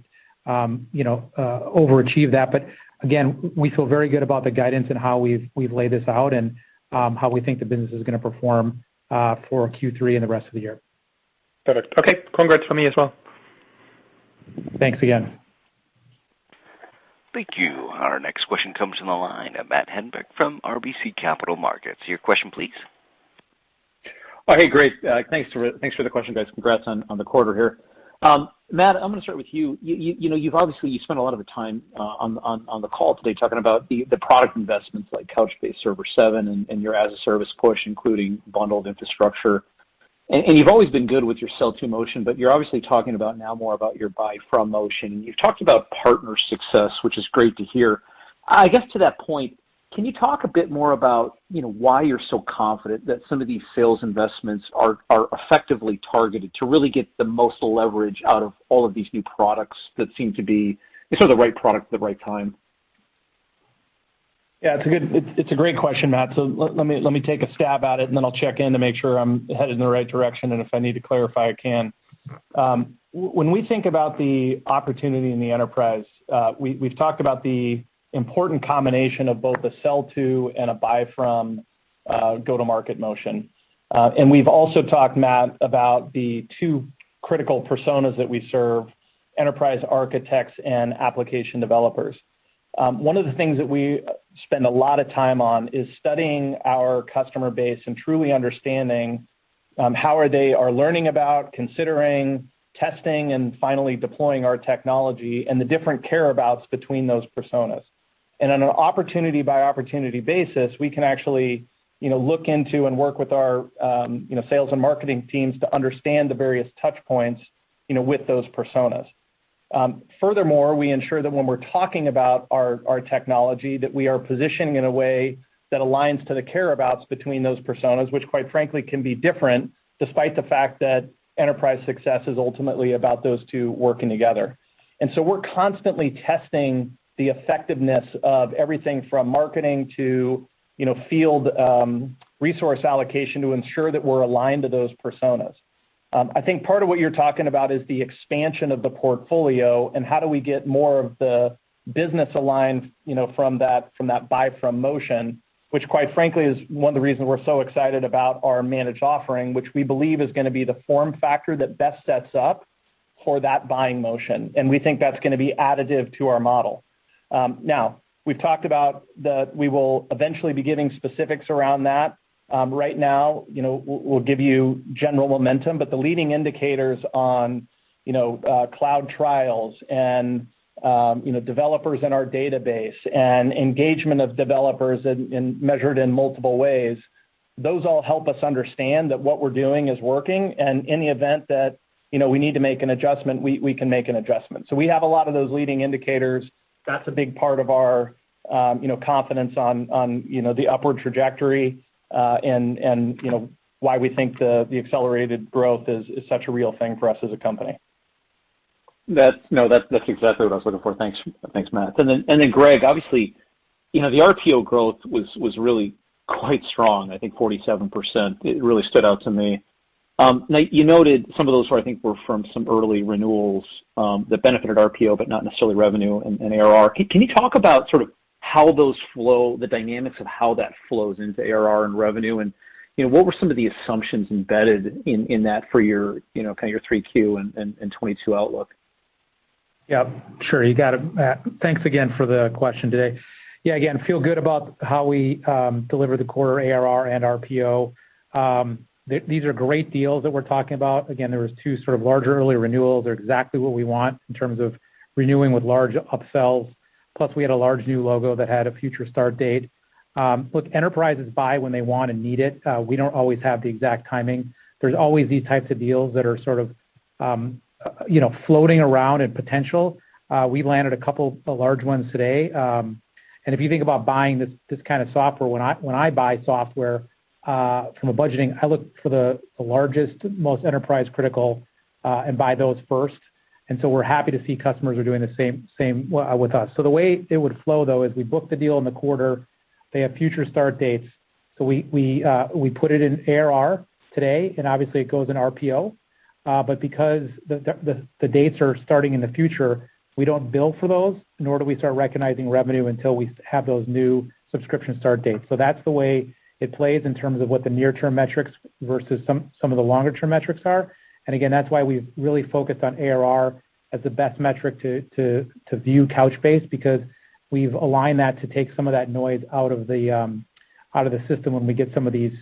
overachieve that. Again, we feel very good about the guidance and how we've laid this out and how we think the business is going to perform for Q3 and the rest of the year. Perfect. Okay. Congrats from me as well. Thanks again. Thank you. Our next question comes from the line of Matt Hedberg from RBC Capital Markets. Your question, please. Oh, hey. Great. Thanks for the question, guys. Congrats on the quarter here. Matt, I'm going to start with you. You've obviously spent a lot of time on the call today talking about the product investments like Couchbase Server 7 and your as-a-service push, including bundled infrastructure. You've always been good with your sell-to motion, but you're obviously talking about now more about your buy-from motion, and you've talked about partner success, which is great to hear. I guess to that point, can you talk a bit more about why you're so confident that some of these sales investments are effectively targeted to really get the most leverage out of all of these new products that seem to be the right product at the right time? Yeah, it's a great question, Matt. Let me take a stab at it, and then I'll check in to make sure I'm headed in the right direction, and if I need to clarify, I can. When we think about the opportunity in the enterprise, we've talked about the important combination of both a sell-to and a buy-from go-to-market motion. We've also talked, Matt, about the two critical personas that we serve, enterprise architects and application developers. One of the things that we spend a lot of time on is studying our customer base and truly understanding how they are learning about, considering, testing, and finally deploying our technology and the different care abouts between those personas. On an opportunity-by-opportunity basis, we can actually look into and work with our sales and marketing teams to understand the various touch points with those personas. Furthermore, we ensure that when we're talking about our technology, that we are positioning in a way that aligns to the careabouts between those personas, which quite frankly can be different despite the fact that enterprise success is ultimately about those two working together. We're constantly testing the effectiveness of everything from marketing to field resource allocation to ensure that we're aligned to those personas. I think part of what you're talking about is the expansion of the portfolio and how do we get more of the business aligned from that buy-from motion, which quite frankly is one of the reasons we're so excited about our managed offering, which we believe is going to be the form factor that best sets up for that buying motion. We think that's going to be additive to our model. We've talked about that we will eventually be giving specifics around that. We'll give you general momentum, but the leading indicators on cloud trials and developers in our database and engagement of developers measured in multiple ways, those all help us understand that what we're doing is working, and in the event that we need to make an adjustment, we can make an adjustment. We have a lot of those leading indicators. That's a big part of our confidence on the upward trajectory, and why we think the accelerated growth is such a real thing for us as a company. That's exactly what I was looking for. Thanks, Matt. Greg, obviously, the RPO growth was really quite strong, I think 47%. It really stood out to me. Now, you noted some of those who I think were from some early renewals that benefited RPO, but not necessarily revenue and ARR. Can you talk about the dynamics of how that flows into ARR and revenue, and what were some of the assumptions embedded in that for your 3Q and 2022 outlook? Yeah, sure. You got it, Matt. Thanks again for the question today. Again, feel good about how we delivered the quarter ARR and RPO. These are great deals that we're talking about. Again, there was 2 sort of large early renewals. They're exactly what we want in terms of renewing with large upsells. We had a large new logo that had a future start date. Look, enterprises buy when they want and need it. We don't always have the exact timing. There's always these types of deals that are sort of floating around in potential. We landed a couple of large ones today. If you think about buying this kind of software, when I buy software from a budgeting, I look for the largest, most enterprise critical, and buy those first. We're happy to see customers are doing the same with us. The way it would flow, though, is we book the deal in the quarter. They have future start dates. We put it in ARR today, and obviously, it goes in RPO. Because the dates are starting in the future, we don't bill for those, nor do we start recognizing revenue until we have those new subscription start dates. That's the way it plays in terms of what the near-term metrics versus some of the longer-term metrics are. Again, that's why we've really focused on ARR as the best metric to view Couchbase because we've aligned that to take some of that noise out of the system when we get some of these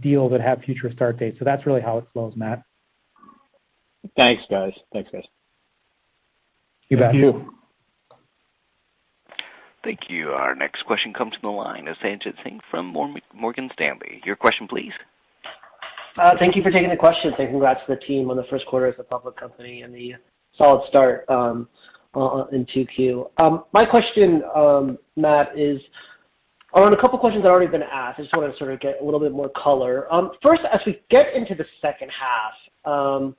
deals that have future start dates. That's really how it flows, Matt. Thanks, guys. You bet. Thank you. Thank you. Our next question comes from the line of Sanjit Singh from Morgan Stanley. Your question, please. Thank you for taking the questions. Congrats to the team on the first quarter as a public company and the solid start in 2Q. My question, Matt Cain, is around a couple questions that have already been asked. I just want to get a little bit more color. First, as we get into the second half, when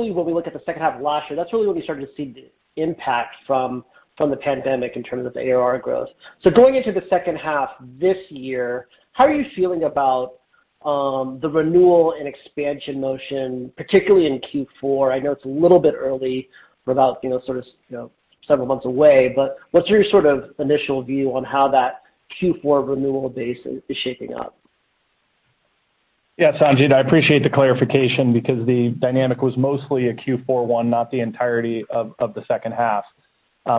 we look at the second half of last year, that's really when we started to see the impact from the pandemic in terms of the ARR growth. Going into the second half this year, how are you feeling about the renewal and expansion motion, particularly in Q4? I know it's a little bit early, several months away, but what's your initial view on how that Q4 renewal base is shaping up? Yeah, Sanjit, I appreciate the clarification because the dynamic was mostly a Q4 one, not the entirety of the second half.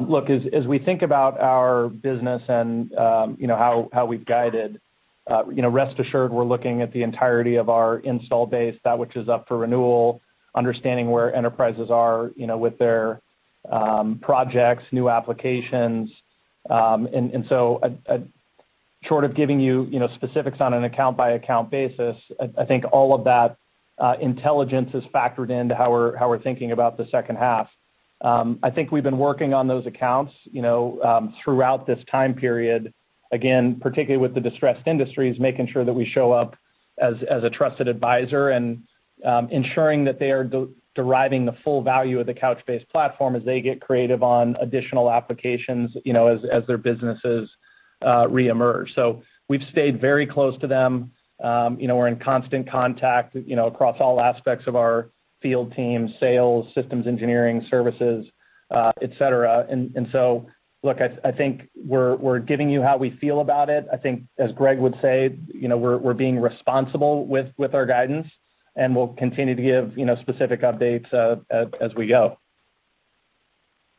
Look, as we think about our business and how we've guided, rest assured we're looking at the entirety of our install base, that which is up for renewal, understanding where enterprises are with their projects, new applications. Short of giving you specifics on an account-by-account basis, I think all of that intelligence is factored into how we're thinking about the second half. I think we've been working on those accounts throughout this time period, again, particularly with the distressed industries, making sure that we show up as a trusted advisor and ensuring that they are deriving the full value of the Couchbase platform as they get creative on additional applications as their businesses reemerge. We've stayed very close to them. We're in constant contact across all aspects of our field team, sales, systems engineering, services, et cetera. Look, I think we're giving you how we feel about it. I think as Greg would say, we're being responsible with our guidance, and we'll continue to give specific updates as we go.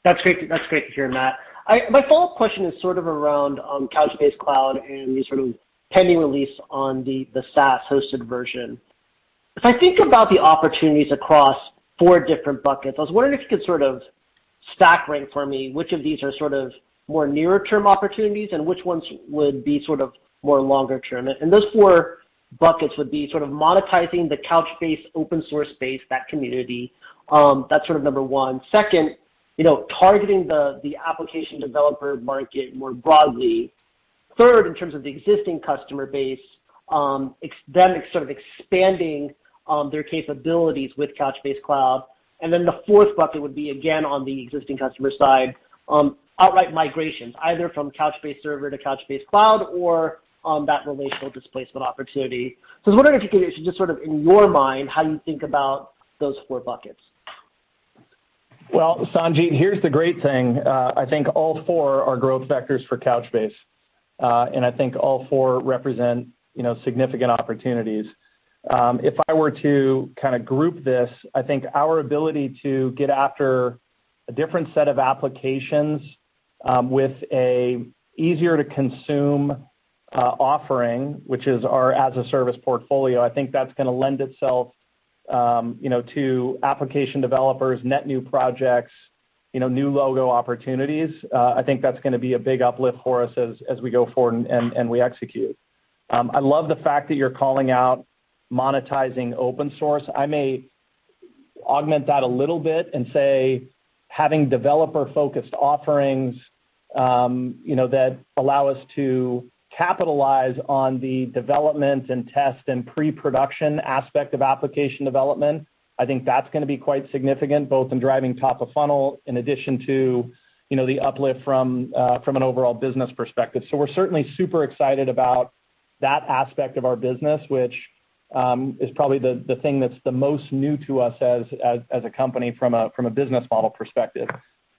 That's great to hear, Matt. My follow-up question is around Couchbase Capella and the pending release on the SaaS-hosted version. As I think about the opportunities across four different buckets, I was wondering if you could stack rank for me which of these are more nearer-term opportunities and which ones would be more longer term. Those four buckets would be monetizing the Couchbase open-source base, that community. That's number one. Second, targeting the application developer market more broadly. Third, in terms of the existing customer base, them expanding their capabilities with Couchbase Capella. Then the fourth bucket would be, again, on the existing customer side, outright migrations, either from Couchbase Server to Couchbase Capella or that relational displacement opportunity. I was wondering if you could just, in your mind, how you think about those four buckets. Well, Sanjit, here's the great thing. I think all four are growth vectors for Couchbase. I think all four represent significant opportunities. If I were to group this, I think our ability to get after a different set of applications with a easier-to-consume offering, which is our as-a-service portfolio, I think that's going to lend itself to application developers, net new projects, new logo opportunities. I think that's going to be a big uplift for us as we go forward, and we execute. I love the fact that you're calling out monetizing open source. I may augment that a little bit and say having developer-focused offerings that allow us to capitalize on the development and test and pre-production aspect of application development. I think that's going to be quite significant, both in driving top of funnel in addition to the uplift from an overall business perspective. We're certainly super excited about that aspect of our business, which is probably the thing that's the most new to us as a company from a business model perspective.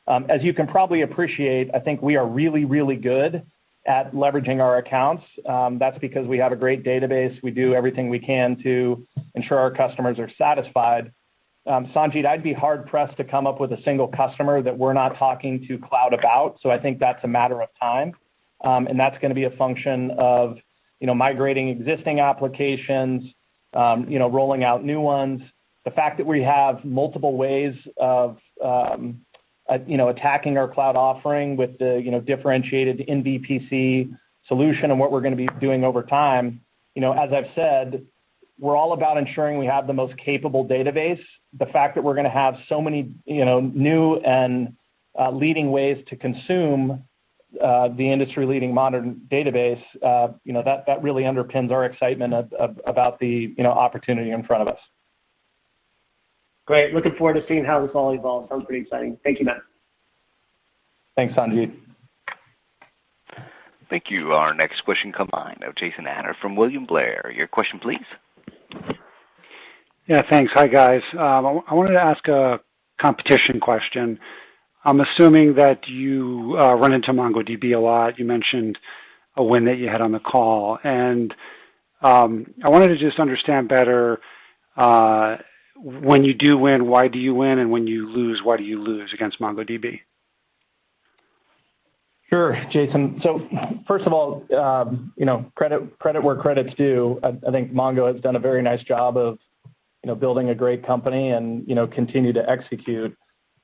As you can probably appreciate, I think we are really, really good at leveraging our accounts. That's because we have a great database. We do everything we can to ensure our customers are satisfied. Sanjit, I'd be hard-pressed to come up with a single customer that we're not talking to cloud about, so I think that's a matter of time. That's going to be a function of migrating existing applications, rolling out new ones. The fact that we have multiple ways of attacking our cloud offering with the differentiated in VPC solution and what we're going to be doing over time. As I've said, we're all about ensuring we have the most capable database. The fact that we're going to have so many new and leading ways to consume the industry-leading modern database, that really underpins our excitement about the opportunity in front of us. Great. Looking forward to seeing how this all evolves. Sounds pretty exciting. Thank you, Matt. Thanks, Sanjit. Thank you. Our next question come line of Jason Ader from William Blair. Your question, please. Yeah, thanks. Hi, guys. I wanted to ask a competition question. I'm assuming that you run into MongoDB a lot. You mentioned a win that you had on the call. I wanted to just understand better, when you do win, why do you win? When you lose, why do you lose against MongoDB? Jason. First of all credit where credit's due. I think MongoDB has done a very nice job of building a great company and continue to execute.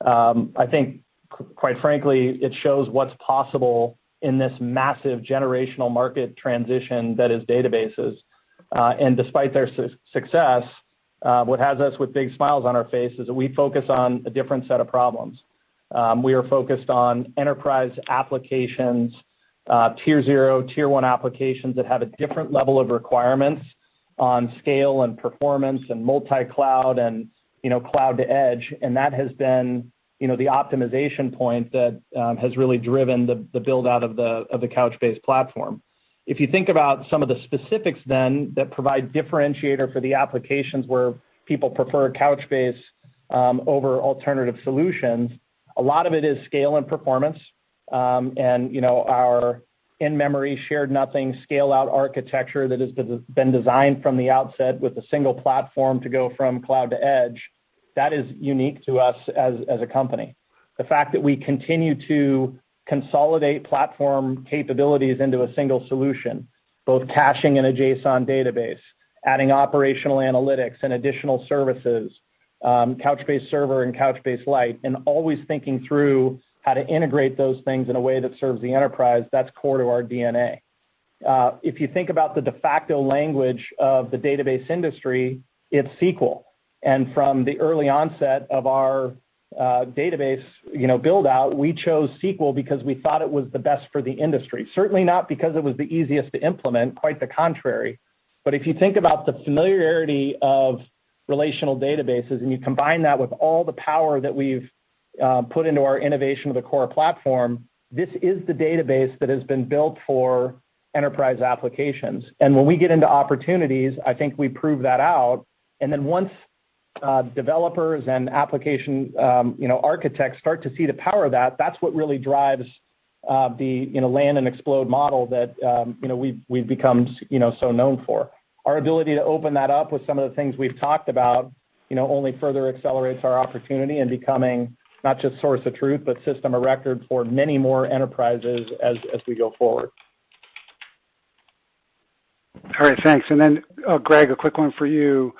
I think quite frankly, it shows what's possible in this massive generational market transition that is databases. Despite their success, what has us with big smiles on our face is that we focus on a different set of problems. We are focused on enterprise applications, tier 0, tier 1 applications that have a different level of requirements on scale and performance and multi-cloud and cloud-to-edge. That has been the optimization point that has really driven the build-out of the Couchbase platform. If you think about some of the specifics then that provide differentiator for the applications where people prefer Couchbase over alternative solutions, a lot of it is scale and performance. Our in-memory shared nothing scale-out architecture that has been designed from the outset with a single platform to go from cloud to edge, that is unique to us as a company. The fact that we continue to consolidate platform capabilities into a single solution, both caching in a JSON database, adding operational analytics and additional services, Couchbase Server and Couchbase Lite, and always thinking through how to integrate those things in a way that serves the enterprise, that's core to our DNA. If you think about the de facto language of the database industry, it's SQL. From the early onset of our database build-out, we chose SQL because we thought it was the best for the industry. Certainly not because it was the easiest to implement, quite the contrary. If you think about the familiarity of relational databases, and you combine that with all the power that we've put into our innovation of the core platform, this is the database that has been built for enterprise applications. When we get into opportunities, I think we prove that out, and then once developers and application architects start to see the power of that's what really drives the land and explode model that we've become so known for. Our ability to open that up with some of the things we've talked about only further accelerates our opportunity in becoming not just source of truth, but system of record for many more enterprises as we go forward. All right. Thanks. Greg, a quick one for you.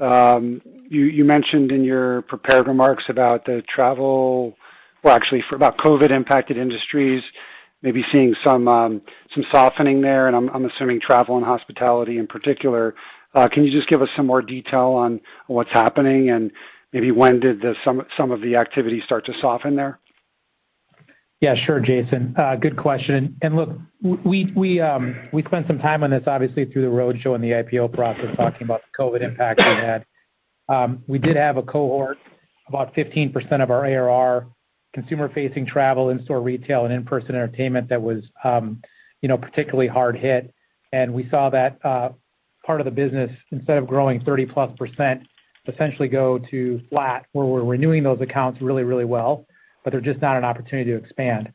You mentioned in your prepared remarks about the travel, well actually about COVID-impacted industries, maybe seeing some softening there, and I'm assuming travel and hospitality in particular. Can you just give us some more detail on what's happening and maybe when did some of the activity start to soften there? Yeah, sure, Jason. Good question. Look, we spent some time on this obviously through the road show and the IPO process, talking about the COVID impact we had. We did have a cohort, about 15% of our ARR, consumer-facing travel, in-store retail, and in-person entertainment that was particularly hard hit. We saw that part of the business, instead of growing 30-plus %, essentially go to flat, where we're renewing those accounts really, really well, but they're just not an opportunity to expand.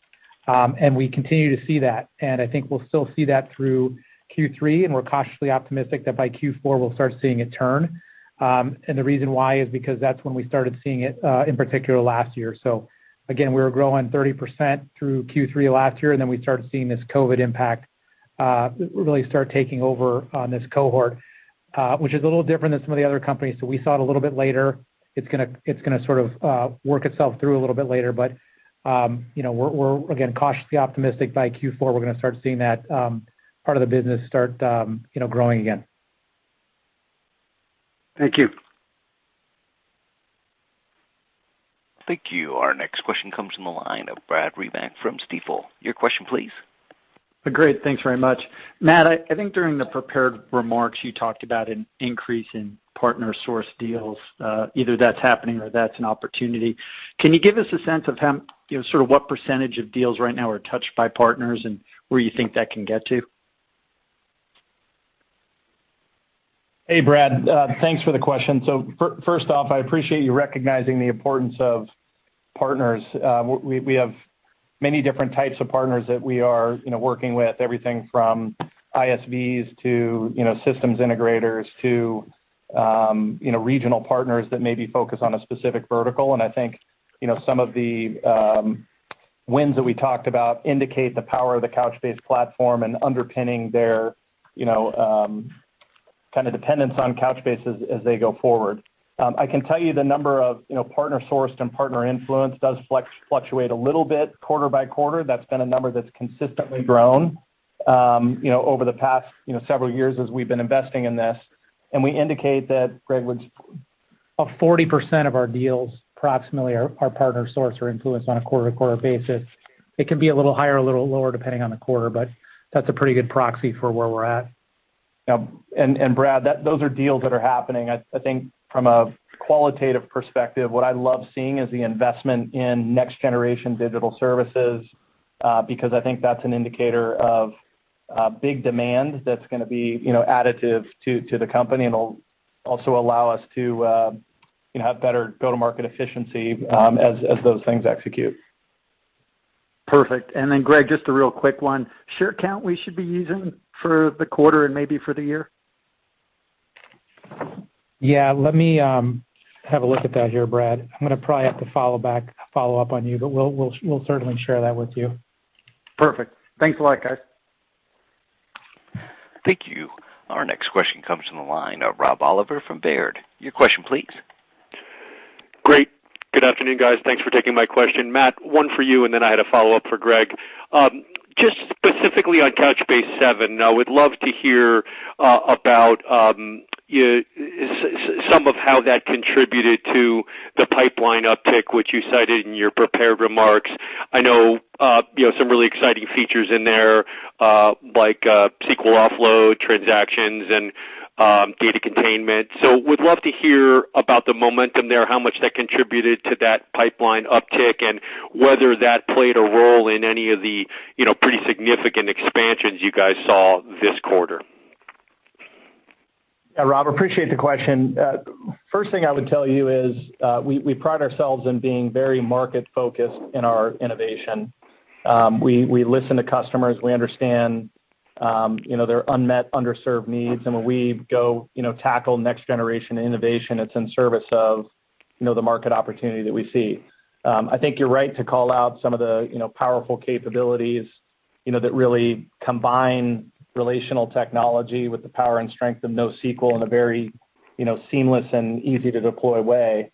We continue to see that, and I think we'll still see that through Q3, and we're cautiously optimistic that by Q4 we'll start seeing it turn. The reason why is because that's when we started seeing it, in particular, last year. Again, we were growing 30% through Q3 last year, we started seeing this COVID impact really start taking over on this cohort, which is a little different than some of the other companies. We saw it a little bit later. It's going to sort of work itself through a little bit later. We're, again, cautiously optimistic by Q4 we're going to start seeing that part of the business start growing again. Thank you. Thank you. Our next question comes from the line of Brad Reback from Stifel. Your question please. Great. Thanks very much. Matt, I think during the prepared remarks, you talked about an increase in partner source deals, either that's happening or that's an opportunity. Can you give us a sense of sort of what % of deals right now are touched by partners, and where you think that can get to? Hey, Brad. Thanks for the question. First off, I appreciate you recognizing the importance of partners. We have many different types of partners that we are working with. Everything from ISVs to systems integrators to regional partners that maybe focus on a specific vertical. I think some of the wins that we talked about indicate the power of the Couchbase platform and underpinning their dependence on Couchbase as they go forward. I can tell you the number of partner sourced and partner influence does fluctuate a little bit quarter by quarter. That's been a number that's consistently grown over the past several years as we've been investing in this. We indicate that, Greg. A 40% of our deals approximately are partner sourced or influenced on a quarter-to-quarter basis. It can be a little higher or a little lower depending on the quarter, but that's a pretty good proxy for where we're at. Brad, those are deals that are happening. I think from a qualitative perspective, what I love seeing is the investment in next generation digital services, because I think that's an indicator of big demand that's going to be additive to the company, and it'll also allow us to have better go-to-market efficiency as those things execute. Perfect. Greg, just a real quick one. Share count we should be using for the quarter and maybe for the year? Yeah, let me have a look at that here, Brad. I'm going to probably have to follow up on you, but we'll certainly share that with you. Perfect. Thanks a lot, guys. Thank you. Our next question comes from the line of Rob Oliver from Baird. Your question, please. Great. Good afternoon, guys. Thanks for taking my question. Matt, one for you, and then I had a follow-up for Greg. Specifically on Couchbase 7, I would love to hear about some of how that contributed to the pipeline uptick, which you cited in your prepared remarks. I know some really exciting features in there, like SQL offload transactions and data containment. Would love to hear about the momentum there, how much that contributed to that pipeline uptick, and whether that played a role in any of the pretty significant expansions you guys saw this quarter. Yeah, Rob, appreciate the question. First thing I would tell you is we pride ourselves in being very market-focused in our innovation. We listen to customers. We understand their unmet, underserved needs. When we go tackle next generation innovation, it's in service of the market opportunity that we see. I think you're right to call out some of the powerful capabilities that really combine relational technology with the power and strength of NoSQL in a very seamless and easy-to-deploy way.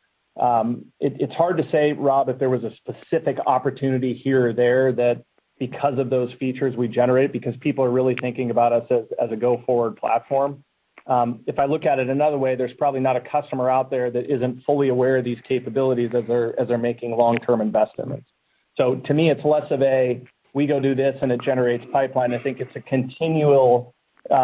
It's hard to say, Rob, if there was a specific opportunity here or there that because of those features we generated, because people are really thinking about us as a go-forward platform. If I look at it another way, there's probably not a customer out there that isn't fully aware of these capabilities as they're making long-term investments. To me, it's less of a, we go do this, and it generates pipeline. I think it's a continual,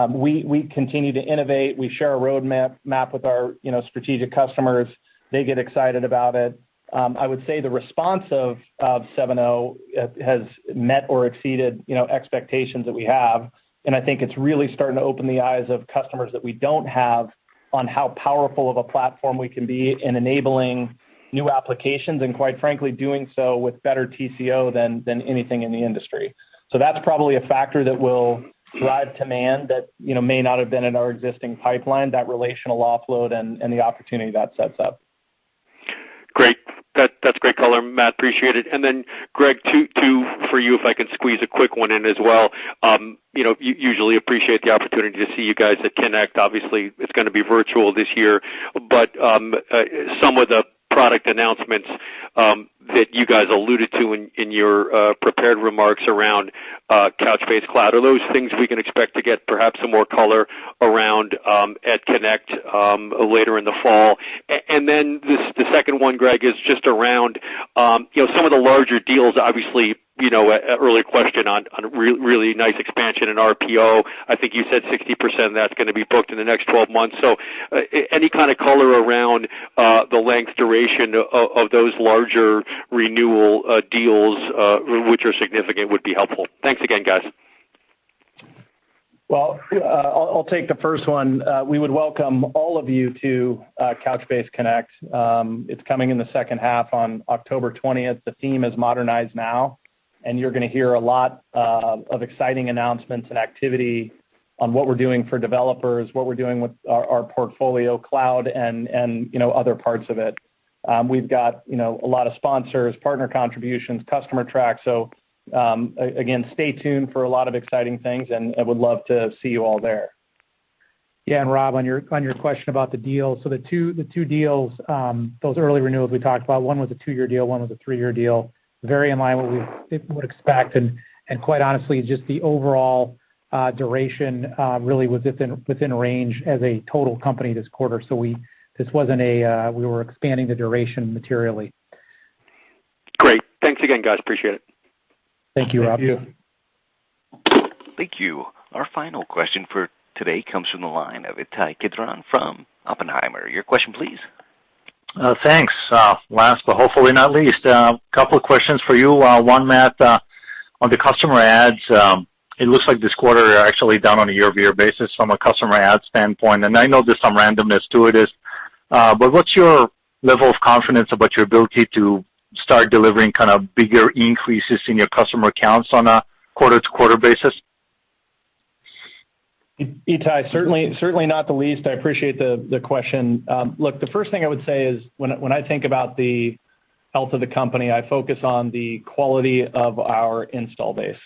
we continue to innovate. We share a roadmap with our strategic customers. They get excited about it. I would say the response of 7.0 has met or exceeded expectations that we have. I think it's really starting to open the eyes of customers that we don't have on how powerful of a platform we can be in enabling new applications, and quite frankly, doing so with better TCO than anything in the industry. That's probably a factor that will drive demand that may not have been in our existing pipeline, that relational offload and the opportunity that sets up. Great. That's great color, Matt. Appreciate it. Greg, two for you, if I can squeeze a quick one in as well. Usually appreciate the opportunity to see you guys at Connect. Obviously, it's going to be virtual this year. Some of the product announcements that you guys alluded to in your prepared remarks around Couchbase Capella, are those things we can expect to get perhaps some more color around at Connect later in the fall? The second one, Greg, is just around some of the larger deals. Obviously, an earlier question on really nice expansion in RPO. I think you said 60% of that's going to be booked in the next 12 months. So any kind of color around the length duration of those larger renewal deals, which are significant, would be helpful. Thanks again, guys. Well, I'll take the first one. We would welcome all of you to Couchbase Connect. It's coming in the second half on October 20th. The theme is Modernize Now. You're going to hear a lot of exciting announcements and activity on what we're doing for developers, what we're doing with our portfolio cloud, and other parts of it. We've got a lot of sponsors, partner contributions, customer tracks. Again, stay tuned for a lot of exciting things, and I would love to see you all there. Yeah. Rob, on your question about the deals. The two deals, those early renewals we talked about, one was a two-year deal, one was a three-year deal. Very in line with what we would expect. Quite honestly, just the overall duration really was within range as a total company this quarter. We were expanding the duration materially. Great. Thanks again, guys. Appreciate it. Thank you, Rob. Thank you. Our final question for today comes from the line of Ittai Kidron from Oppenheimer. Your question, please. Thanks. Last, but hopefully not least. A couple of questions for you. 1, Matt, on the customer adds. It looks like this quarter you're actually down on a year-over-year basis from a customer adds standpoint, and I know there's some randomness to it. What's your level of confidence about your ability to start delivering bigger increases in your customer counts on a quarter-to-quarter basis? Ittai, certainly not the least. I appreciate the question. Look, the first thing I would say is when I think about the health of the company, I focus on the quality of our install base.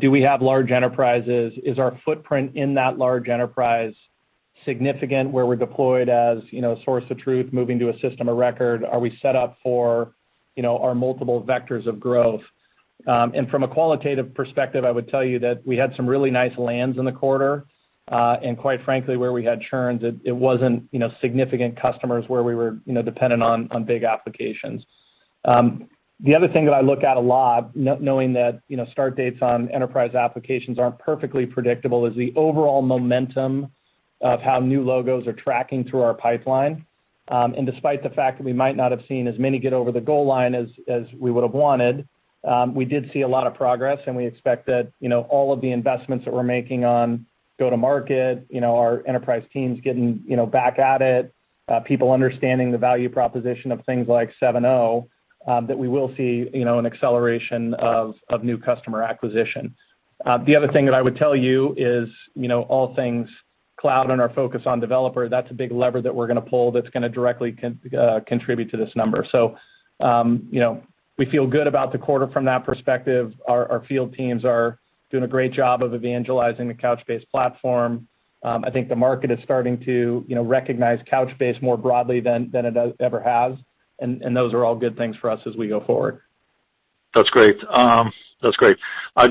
Do we have large enterprises? Is our footprint in that large enterprise significant, where we're deployed as a source of truth, moving to a system of record? Are we set up for our multiple vectors of growth? From a qualitative perspective, I would tell you that we had some really nice lands in the quarter. Quite frankly, where we had churns, it wasn't significant customers where we were dependent on big applications. The other thing that I look at a lot, knowing that start dates on enterprise applications aren't perfectly predictable, is the overall momentum of how new logos are tracking through our pipeline. Despite the fact that we might not have seen as many get over the goal line as we would have wanted, we did see a lot of progress, and we expect that all of the investments that we're making on go-to-market, our enterprise teams getting back at it, people understanding the value proposition of things like Couchbase Server 7.0, that we will see an acceleration of new customer acquisition. The other thing that I would tell you is all things cloud and our focus on developer, that's a big lever that we're going to pull that's going to directly contribute to this number. We feel good about the quarter from that perspective. Our field teams are doing a great job of evangelizing the Couchbase platform. I think the market is starting to recognize Couchbase more broadly than it ever has, and those are all good things for us as we go forward. That's great.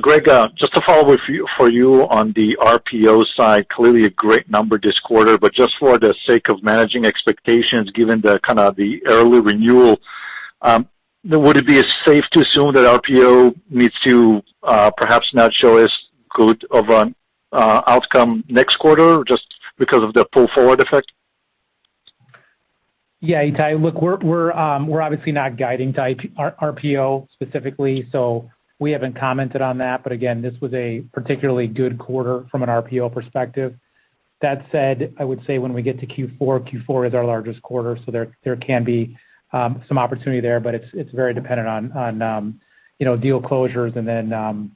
Greg, just to follow with you for you on the RPO side, clearly a great number this quarter, but just for the sake of managing expectations, given the early renewal, would it be safe to assume that RPO needs to perhaps not show as good of an outcome next quarter just because of the pull-forward effect? Yeah, Ittai, look, we're obviously not guiding to RPO specifically, so we haven't commented on that. Again, this was a particularly good quarter from an RPO perspective. That said, I would say when we get to Q4 is our largest quarter, so there can be some opportunity there. It's very dependent on deal closures and then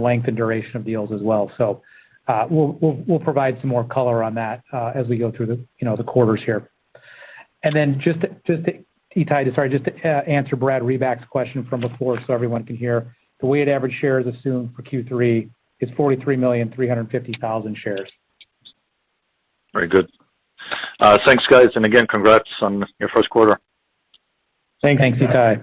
length and duration of deals as well. We'll provide some more color on that as we go through the quarters here. Then just to, Ittai, sorry, just to answer Brad Reback's question from before so everyone can hear, the weighted average shares assumed for Q3 is 43,350,000 shares. Very good. Thanks, guys, and again, congrats on your first quarter. Thanks. Thanks, Ittai.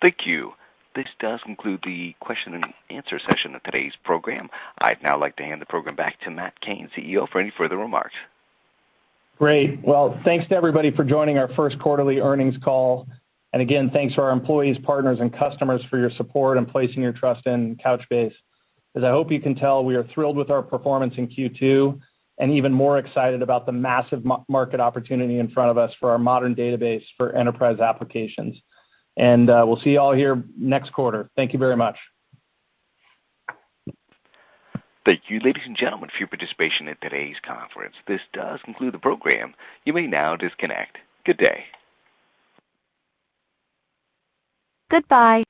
Thank you. This does conclude the question and answer session of today's program. I'd now like to hand the program back to Matt Cain, CEO, for any further remarks. Great. Well, thanks to everybody for joining our first quarterly earnings call. Again, thanks to our employees, partners, and customers for your support in placing your trust in Couchbase. As I hope you can tell, we are thrilled with our performance in Q2 and even more excited about the massive market opportunity in front of us for our modern database for enterprise applications. We'll see you all here next quarter. Thank you very much. Thank you, ladies and gentlemen, for your participation in today's conference. This does conclude the program. You may now disconnect. Good day. Goodbye.